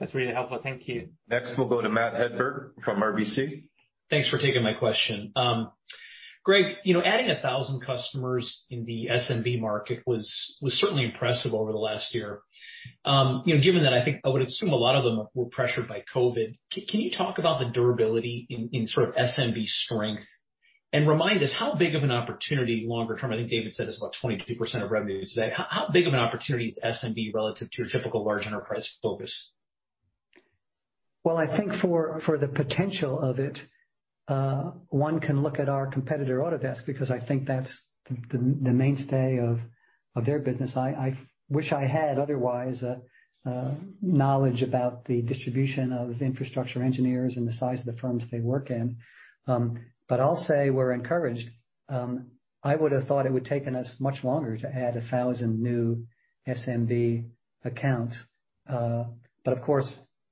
That's really helpful. Thank you. Next, we'll go to Matt Hedberg from RBC. Thanks for taking my question. Greg, adding 1,000 customers in the SMB market was certainly impressive over the last year. Given that, I would assume a lot of them were pressured by COVID. Can you talk about the durability in SMB strength? Remind us, how big of an opportunity longer term, I think David said it's about 22% of revenue today. How big of an opportunity is SMB relative to your typical large enterprise focus? Well, I think for the potential of it, one can look at our competitor, Autodesk, because I think that's the mainstay of their business. I wish I had, otherwise, knowledge about the distribution of infrastructure engineers and the size of the firms they work in. I'll say we're encouraged. I would have thought it would have taken us much longer to add 1,000 new SMB accounts. Of course,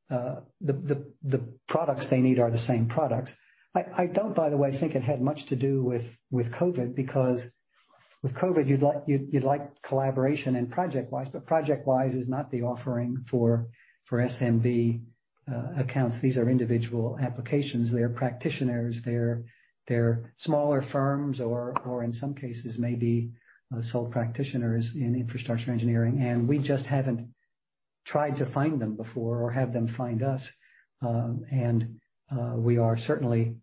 the products they need are the same products. I don't, by the way, think it had much to do with COVID, because with COVID, you'd like collaboration in ProjectWise, but ProjectWise is not the offering for SMB accounts. These are individual applications. They're practitioners, they're smaller firms or in some cases may be sole practitioners in infrastructure engineering, and we just haven't tried to find them before or have them find us. We are certainly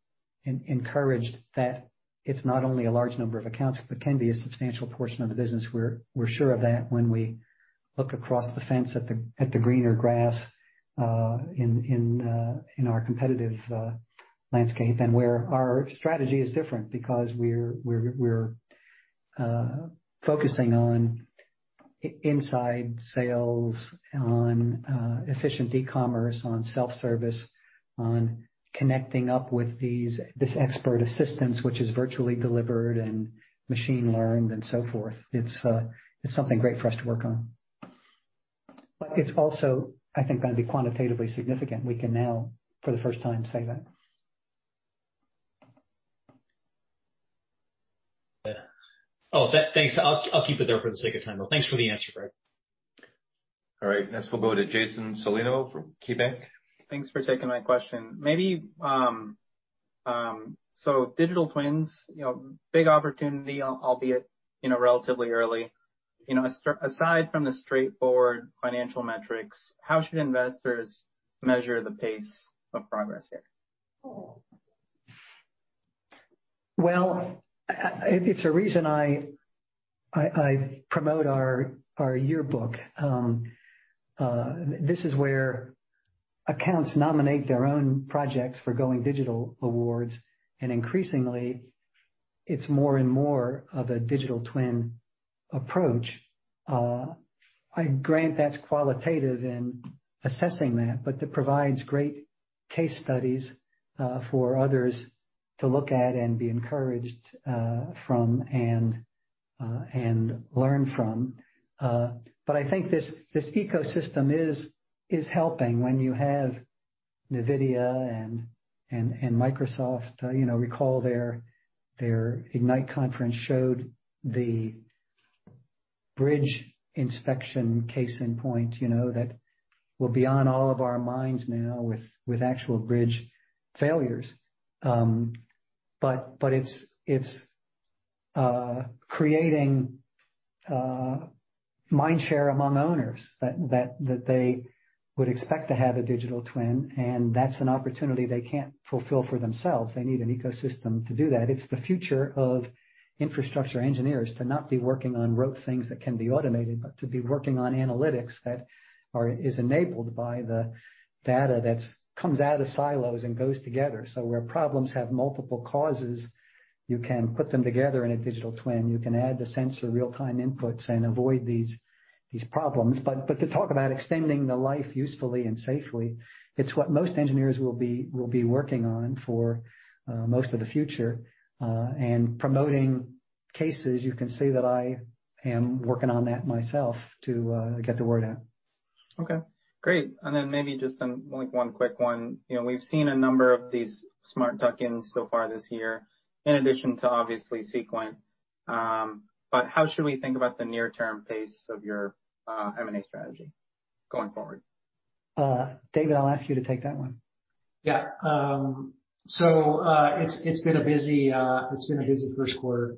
encouraged that it's not only a large number of accounts, but can be a substantial portion of the business. We're sure of that when we look across the fence at the greener grass in our competitive landscape and where our strategy is different because we're focusing on inside sales, on efficient e-commerce, on self-service, on connecting up with this expert assistance, which is virtually delivered and machine learned and so forth. It's something great for us to work on. It's also, I think, going to be quantitatively significant. We can now, for the first time, say that. Thanks. I'll keep it there for the sake of time, though. Thanks for the answer, Greg. All right, next we'll go to Jason Celino from KeyBanc. Thanks for taking my question. Digital twins, big opportunity, albeit relatively early. Aside from the straightforward financial metrics, how should investors measure the pace of progress here? Well, it's a reason I promote our yearbook. This is where accounts nominate their own projects for Going Digital Awards, and increasingly, it's more and more of a digital twin approach. I grant that's qualitative in assessing that provides great case studies for others to look at and be encouraged from and learn from. I think this ecosystem is helping when you have NVIDIA and Microsoft. Recall their Ignite conference showed the bridge inspection case in point that will be on all of our minds now with actual bridge failures. It's creating mind share among owners that they would expect to have a digital twin, and that's an opportunity they can't fulfill for themselves. They need an ecosystem to do that. It's the future of infrastructure engineers to not be working on rote things that can be automated, but to be working on analytics that is enabled by the data that comes out of silos and goes together. Where problems have multiple causes, you can put them together in a digital twin. You can add the sensor real-time inputs and avoid these problems. To talk about extending the life usefully and safely, it's what most engineers will be working on for most of the future. Promoting cases, you can see that I am working on that myself to get the word out. Okay, great. Maybe just one quick one. We've seen a number of these smart tuck-ins so far this year, in addition to obviously Seequent. How should we think about the near-term pace of your M&A strategy going forward? David, I'll ask you to take that one. It's been a busy first quarter.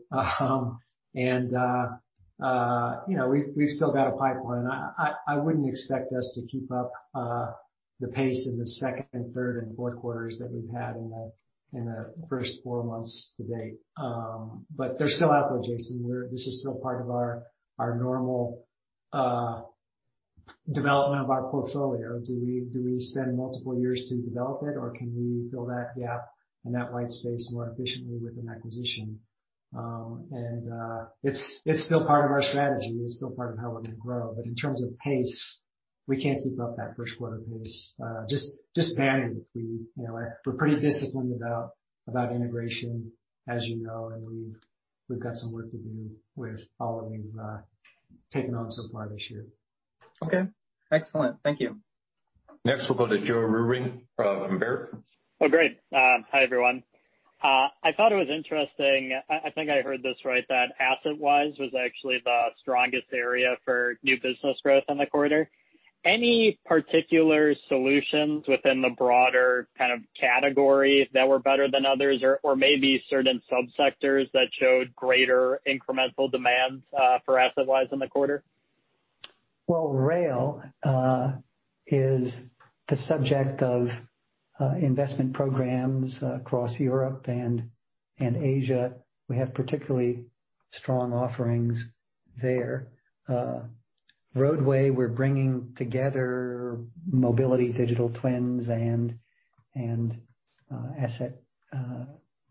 We've still got a pipeline. I wouldn't expect us to keep up the pace in the second and third and fourth quarters that we've had in the first four months to date. They're still out there, Jason. This is still part of our normal development of our portfolio. Do we spend multiple years to develop it, or can we fill that gap and that white space more efficiently with an acquisition? It's still part of our strategy. It's still part of how we're going to grow. In terms of pace, we can't keep up that first quarter pace. Just manage. We're pretty disciplined about integration, as you know, and we've got some work to do with all that we've taken on so far this year. Okay. Excellent. Thank you. Next, we'll go to Joe Vruwink from Baird. Oh, great. Hi, everyone. I thought it was interesting, I think I heard this right, that AssetWise was actually the strongest area for new business growth in the quarter. Any particular solutions within the broader kind of categories that were better than others? Or maybe certain sub-sectors that showed greater incremental demands for AssetWise in the quarter? Well, rail is the subject of investment programs across Europe and in Asia. We have particularly strong offerings there. Roadway, we're bringing together mobility, digital twins, and asset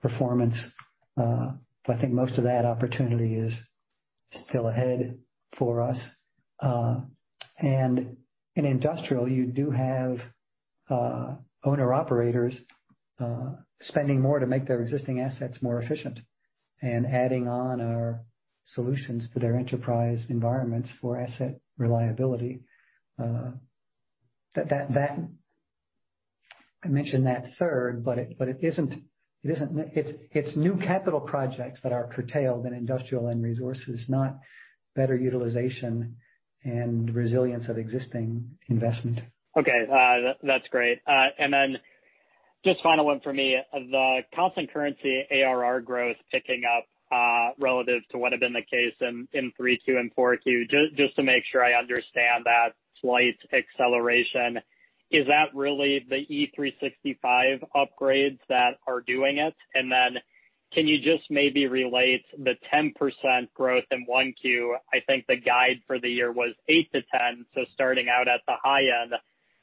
performance. I think most of that opportunity is still ahead for us. In industrial, you do have owner/operators spending more to make their existing assets more efficient and adding on our solutions to their enterprise environments for asset reliability. I mentioned that third, but it's new capital projects that are curtailed in industrial and resources, not better utilization and resilience of existing investment. Okay. That's great. Just final one for me, the constant currency ARR growth picking up, relative to what had been the case in Q3 and Q4, just to make sure I understand that slight acceleration. Is that really the E365 upgrades that are doing it? Can you just maybe relate the 10% growth in Q1? I think the guide for the year was 8-10, starting out at the high end,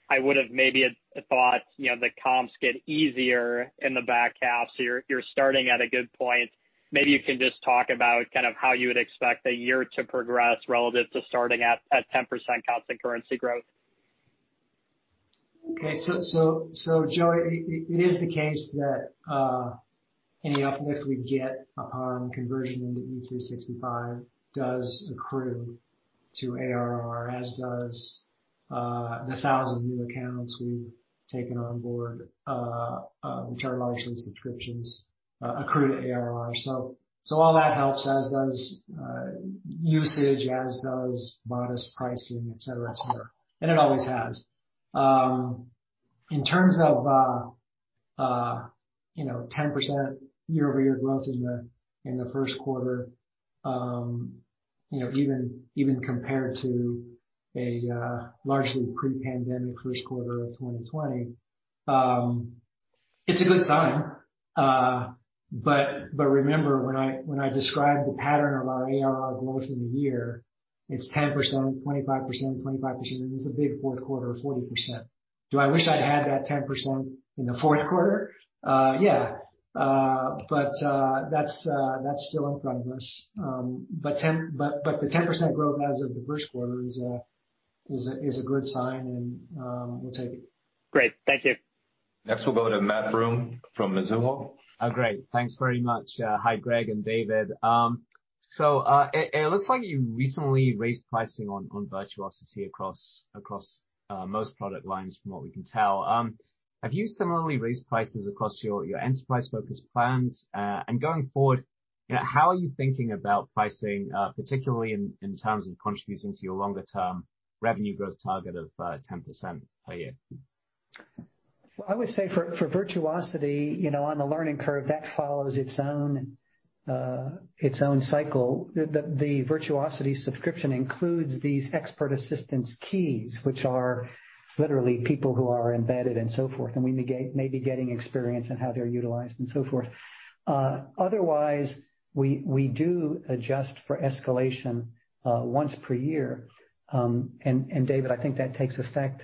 I would've maybe had thought the comps get easier in the back half. You're starting at a good point. Maybe you can just talk about how you would expect the year to progress relative to starting at 10% constant currency growth? Okay. Joe, it is the case that any uplift we get upon conversion into E365 does accrue to ARR, as does the 1,000 new accounts we've taken on board, which are largely subscriptions accrued to ARR. All that helps, as does usage, as does modest pricing, et cetera. It always has. In terms of 10% year-over-year growth in the first quarter, even compared to a largely pre-pandemic first quarter of 2020, it's a good sign. Remember when I described the pattern of our ARR growth in the year, it's 10%, 25%, 25%, and there's a big fourth quarter of 40%. Do I wish I'd had that 10% in the fourth quarter? Yeah. That's still in front of us. The 10% growth as of the first quarter is a good sign, and we'll take it. Great. Thank you. Next, we'll go to Matt Broome from Mizuho. Great. Thanks very much. Hi, Greg and David. It looks like you recently raised pricing on Virtuosity across most product lines from what we can tell. Have you similarly raised prices across your enterprise-focused plans? Going forward, how are you thinking about pricing, particularly in terms of contributing to your longer-term revenue growth target of 10% per year? Well, I would say for Virtuosity, on the learning curve, that follows its own cycle. The Virtuosity subscription includes these expert assistance keys, which are literally people who are embedded and so forth. We may be getting experience in how they're utilized and so forth. Otherwise, we do adjust for escalation once per year. David, I think that takes effect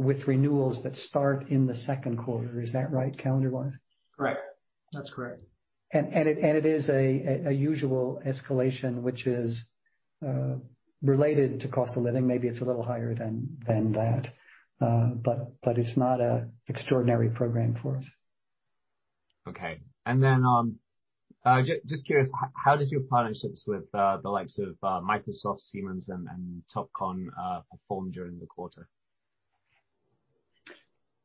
with renewals that start in the second quarter. Is that right, calendar-wise? Correct. That's correct. It is a usual escalation which is related to cost of living. Maybe it's a little higher than that. It's not an extraordinary program for us. Okay. Just curious, how did your partnerships with the likes of Microsoft, Siemens, and Topcon perform during the quarter?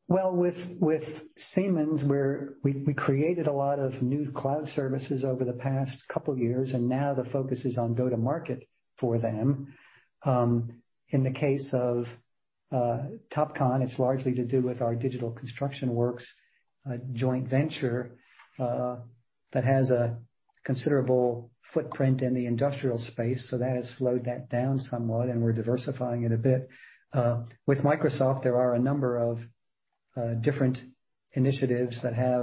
With Siemens, we created a lot of new cloud services over the past couple of years, and now the focus is on go-to-market for them. In the case of Topcon, it's largely to do with our Digital Construction Works joint venture, that has a considerable footprint in the industrial space. That has slowed that down somewhat, and we're diversifying it a bit. With Microsoft, there are a number of different initiatives that have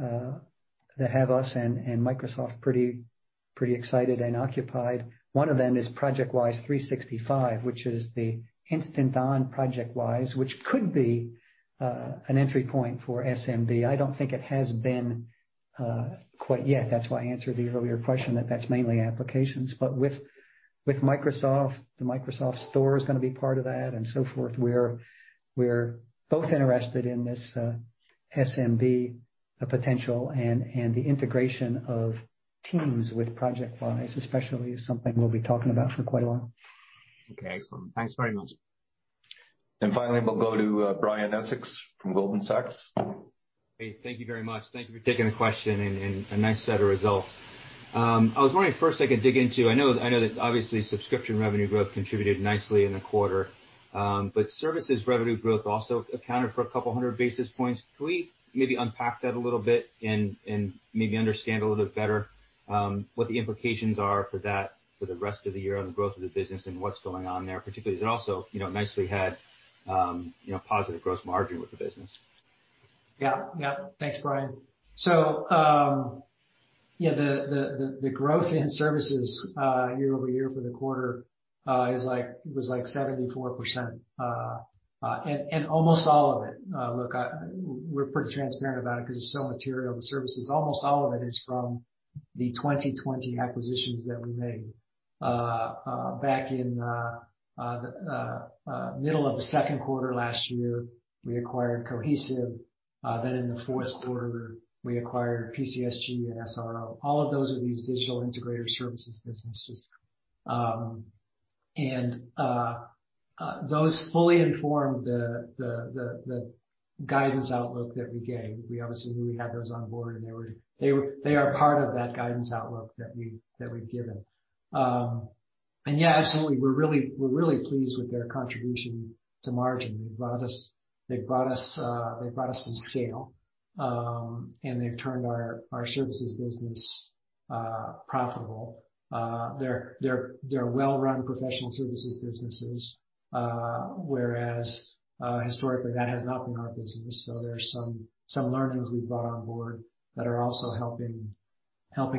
us and Microsoft pretty excited and occupied. One of them is ProjectWise 365, which is the instant-on ProjectWise, which could be an entry point for SMB. I don't think it has been quite yet. That's why I answered the earlier question, that that's mainly applications. With Microsoft, the Microsoft Store is going to be part of that and so forth. We're both interested in this SMB potential and the integration of Teams with ProjectWise especially is something we'll be talking about for quite a while. Okay, excellent. Thanks very much. Finally, we'll go to Brian Essex from Goldman Sachs. Hey, thank you very much. Thank you for taking the question, and a nice set of results. I was wondering first I could dig into, I know that obviously subscription revenue growth contributed nicely in the quarter. Services revenue growth also accounted for a couple 100 basis points. Can we maybe unpack that a little bit and maybe understand a little bit better, what the implications are for that for the rest of the year on the growth of the business and what's going on there particularly? It also nicely had positive gross margin with the business. Yeah. Thanks, Brian. The growth in services year-over-year for the quarter was like 74%. Almost all of it, look, we're pretty transparent about it because it's so material to services. Almost all of it is from the 2020 acquisitions that we made. Back in the middle of the second quarter last year, we acquired Cohesive. In the fourth quarter, we acquired PCSG and SRO. All of those are these digital integrator services businesses. Those fully informed the guidance outlook that we gave. We obviously knew we had those on board, and they are part of that guidance outlook that we've given. Yeah, absolutely, we're really pleased with their contribution to margin. They've brought us some scale, and they've turned our services business profitable. They're well-run professional services businesses, whereas, historically that has not been our business. There's some learnings we've brought on board that are also helping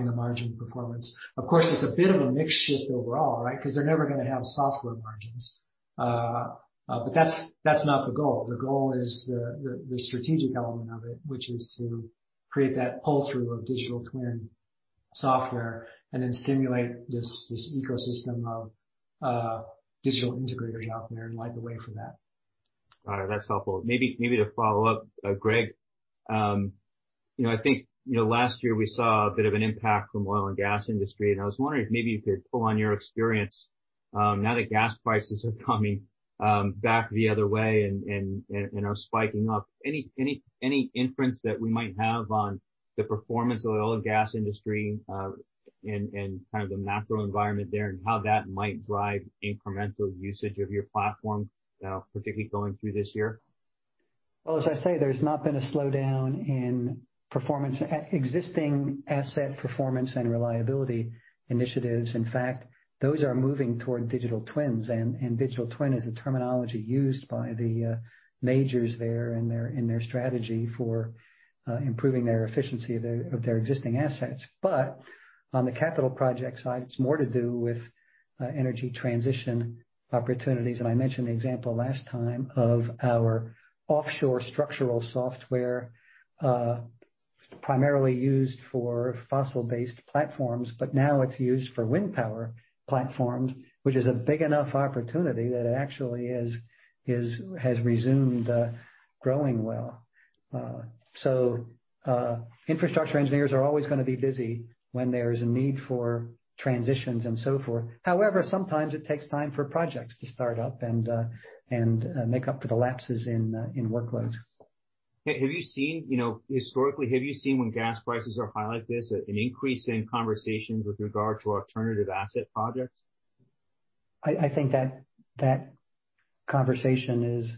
the margin performance. Of course, it's a bit of a mix shift overall, right? They're never going to have software margins. That's not the goal. The goal is the strategic element of it, which is to create that pull-through of digital twin software and then stimulate this ecosystem of digital integrators out there and light the way for that. All right, that's helpful. Maybe to follow up, Greg. I think last year we saw a bit of an impact from oil and gas industry, and I was wondering if maybe you could pull on your experience now that gas prices are coming back the other way and are spiking up. Any inference that we might have on the performance of the oil and gas industry, and the macro environment there and how that might drive incremental usage of your platform, particularly going through this year? Well, as I say, there's not been a slowdown in existing asset performance and reliability initiatives. In fact, those are moving toward digital twins, and digital twin is the terminology used by the majors there in their strategy for improving their efficiency of their existing assets. On the capital project side, it's more to do with energy transition opportunities. I mentioned the example last time of our offshore structural software, primarily used for fossil-based platforms. Now it's used for wind power platforms, which is a big enough opportunity that it actually has resumed growing well. Infrastructure engineers are always going to be busy when there's a need for transitions and so forth. However, sometimes it takes time for projects to start up and make up for the lapses in workloads. Historically, have you seen when gas prices are high like this, an increase in conversations with regard to alternative asset projects? I think that conversation is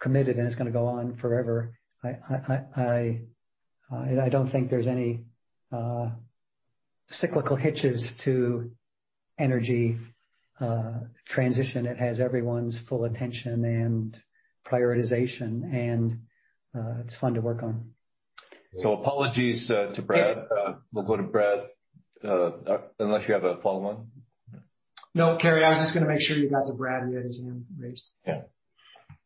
committed, and it's going to go on forever. I don't think there's any cyclical hitches to energy transition. It has everyone's full attention and prioritization, and it's fun to work on. Apologies to Brad. We'll go to Brad, unless you have a follow-on. No, Carey, I was just going to make sure you got to Brad yet. His hand raised. Yeah.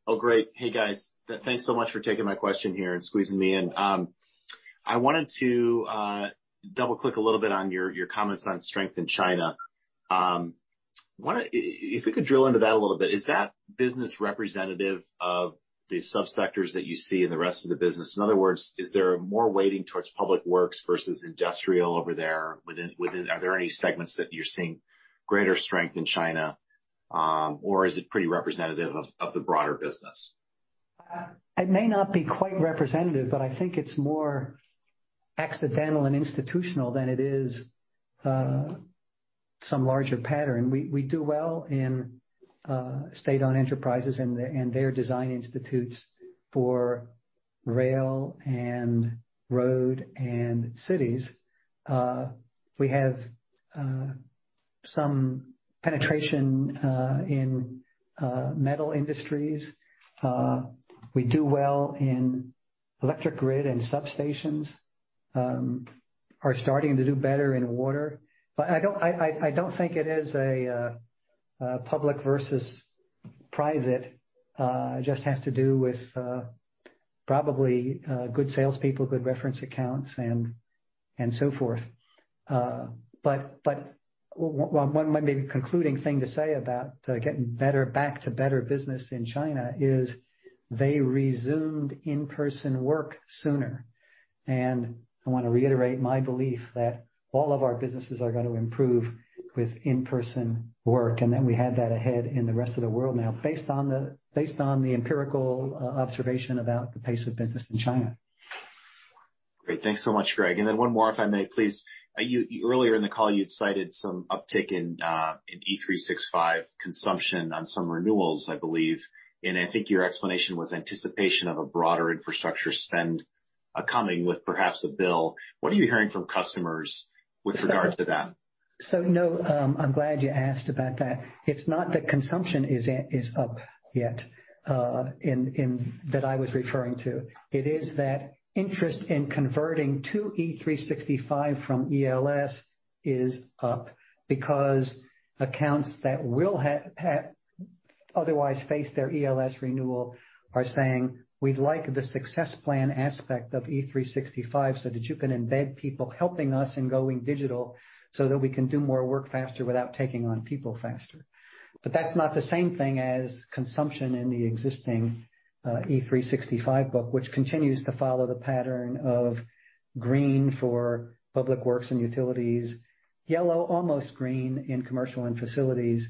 Oh, great. Hey, guys. Thanks so much for taking my question here and squeezing me in. I wanted to double-click a little bit on your comments on strength in China. If we could drill into that a little bit, is that business representative of the sub-sectors that you see in the rest of the business? In other words, is there more weighting towards public works versus industrial over there? Are there any segments that you're seeing greater strength in China? Is it pretty representative of the broader business? It may not be quite representative, but I think it's more accidental and institutional than it is some larger pattern. We do well in state-owned enterprises and their design institutes for rail and road and cities. We have some penetration in metal industries. We do well in electric grid and substations. We are starting to do better in water. I don't think it is a public versus private. It just has to do with probably good salespeople, good reference accounts, and so forth. One maybe concluding thing to say about getting back to better business in China is they resumed in-person work sooner. I want to reiterate my belief that all of our businesses are going to improve with in-person work, and that we have that ahead in the rest of the world now based on the empirical observation about the pace of business in China. Great. Thanks so much, Greg. One more, if I may please. Earlier in the call, you had cited some uptick in E365 consumption on some renewals, I believe, and I think your explanation was anticipation of a broader infrastructure spend coming with perhaps a bill. What are you hearing from customers with regard to that? No, I'm glad you asked about that. It's not that consumption is up yet that I was referring to. It is that interest in converting to E365 from ELS is up because accounts that will otherwise face their ELS renewal are saying, "We'd like the success plan aspect of E365 so that you can embed people helping us in going digital so that we can do more work faster without taking on people faster." That's not the same thing as consumption in the existing E365 book, which continues to follow the pattern of green for public works and utilities, yellow, almost green in commercial and facilities,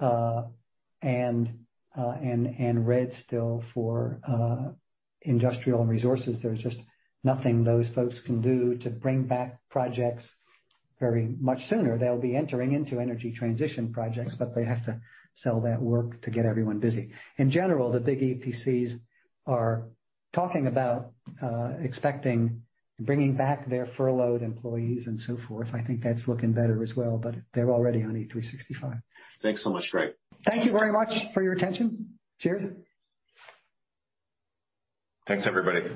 and red still for industrial and resources. There's just nothing those folks can do to bring back projects very much sooner. They'll be entering into energy transition projects, but they have to sell that work to get everyone busy. In general, the big EPCs are talking about expecting bringing back their furloughed employees and so forth. I think that's looking better as well, but they're already on E365. Thanks so much, Greg. Thank you very much for your attention. Cheers. Thanks, everybody.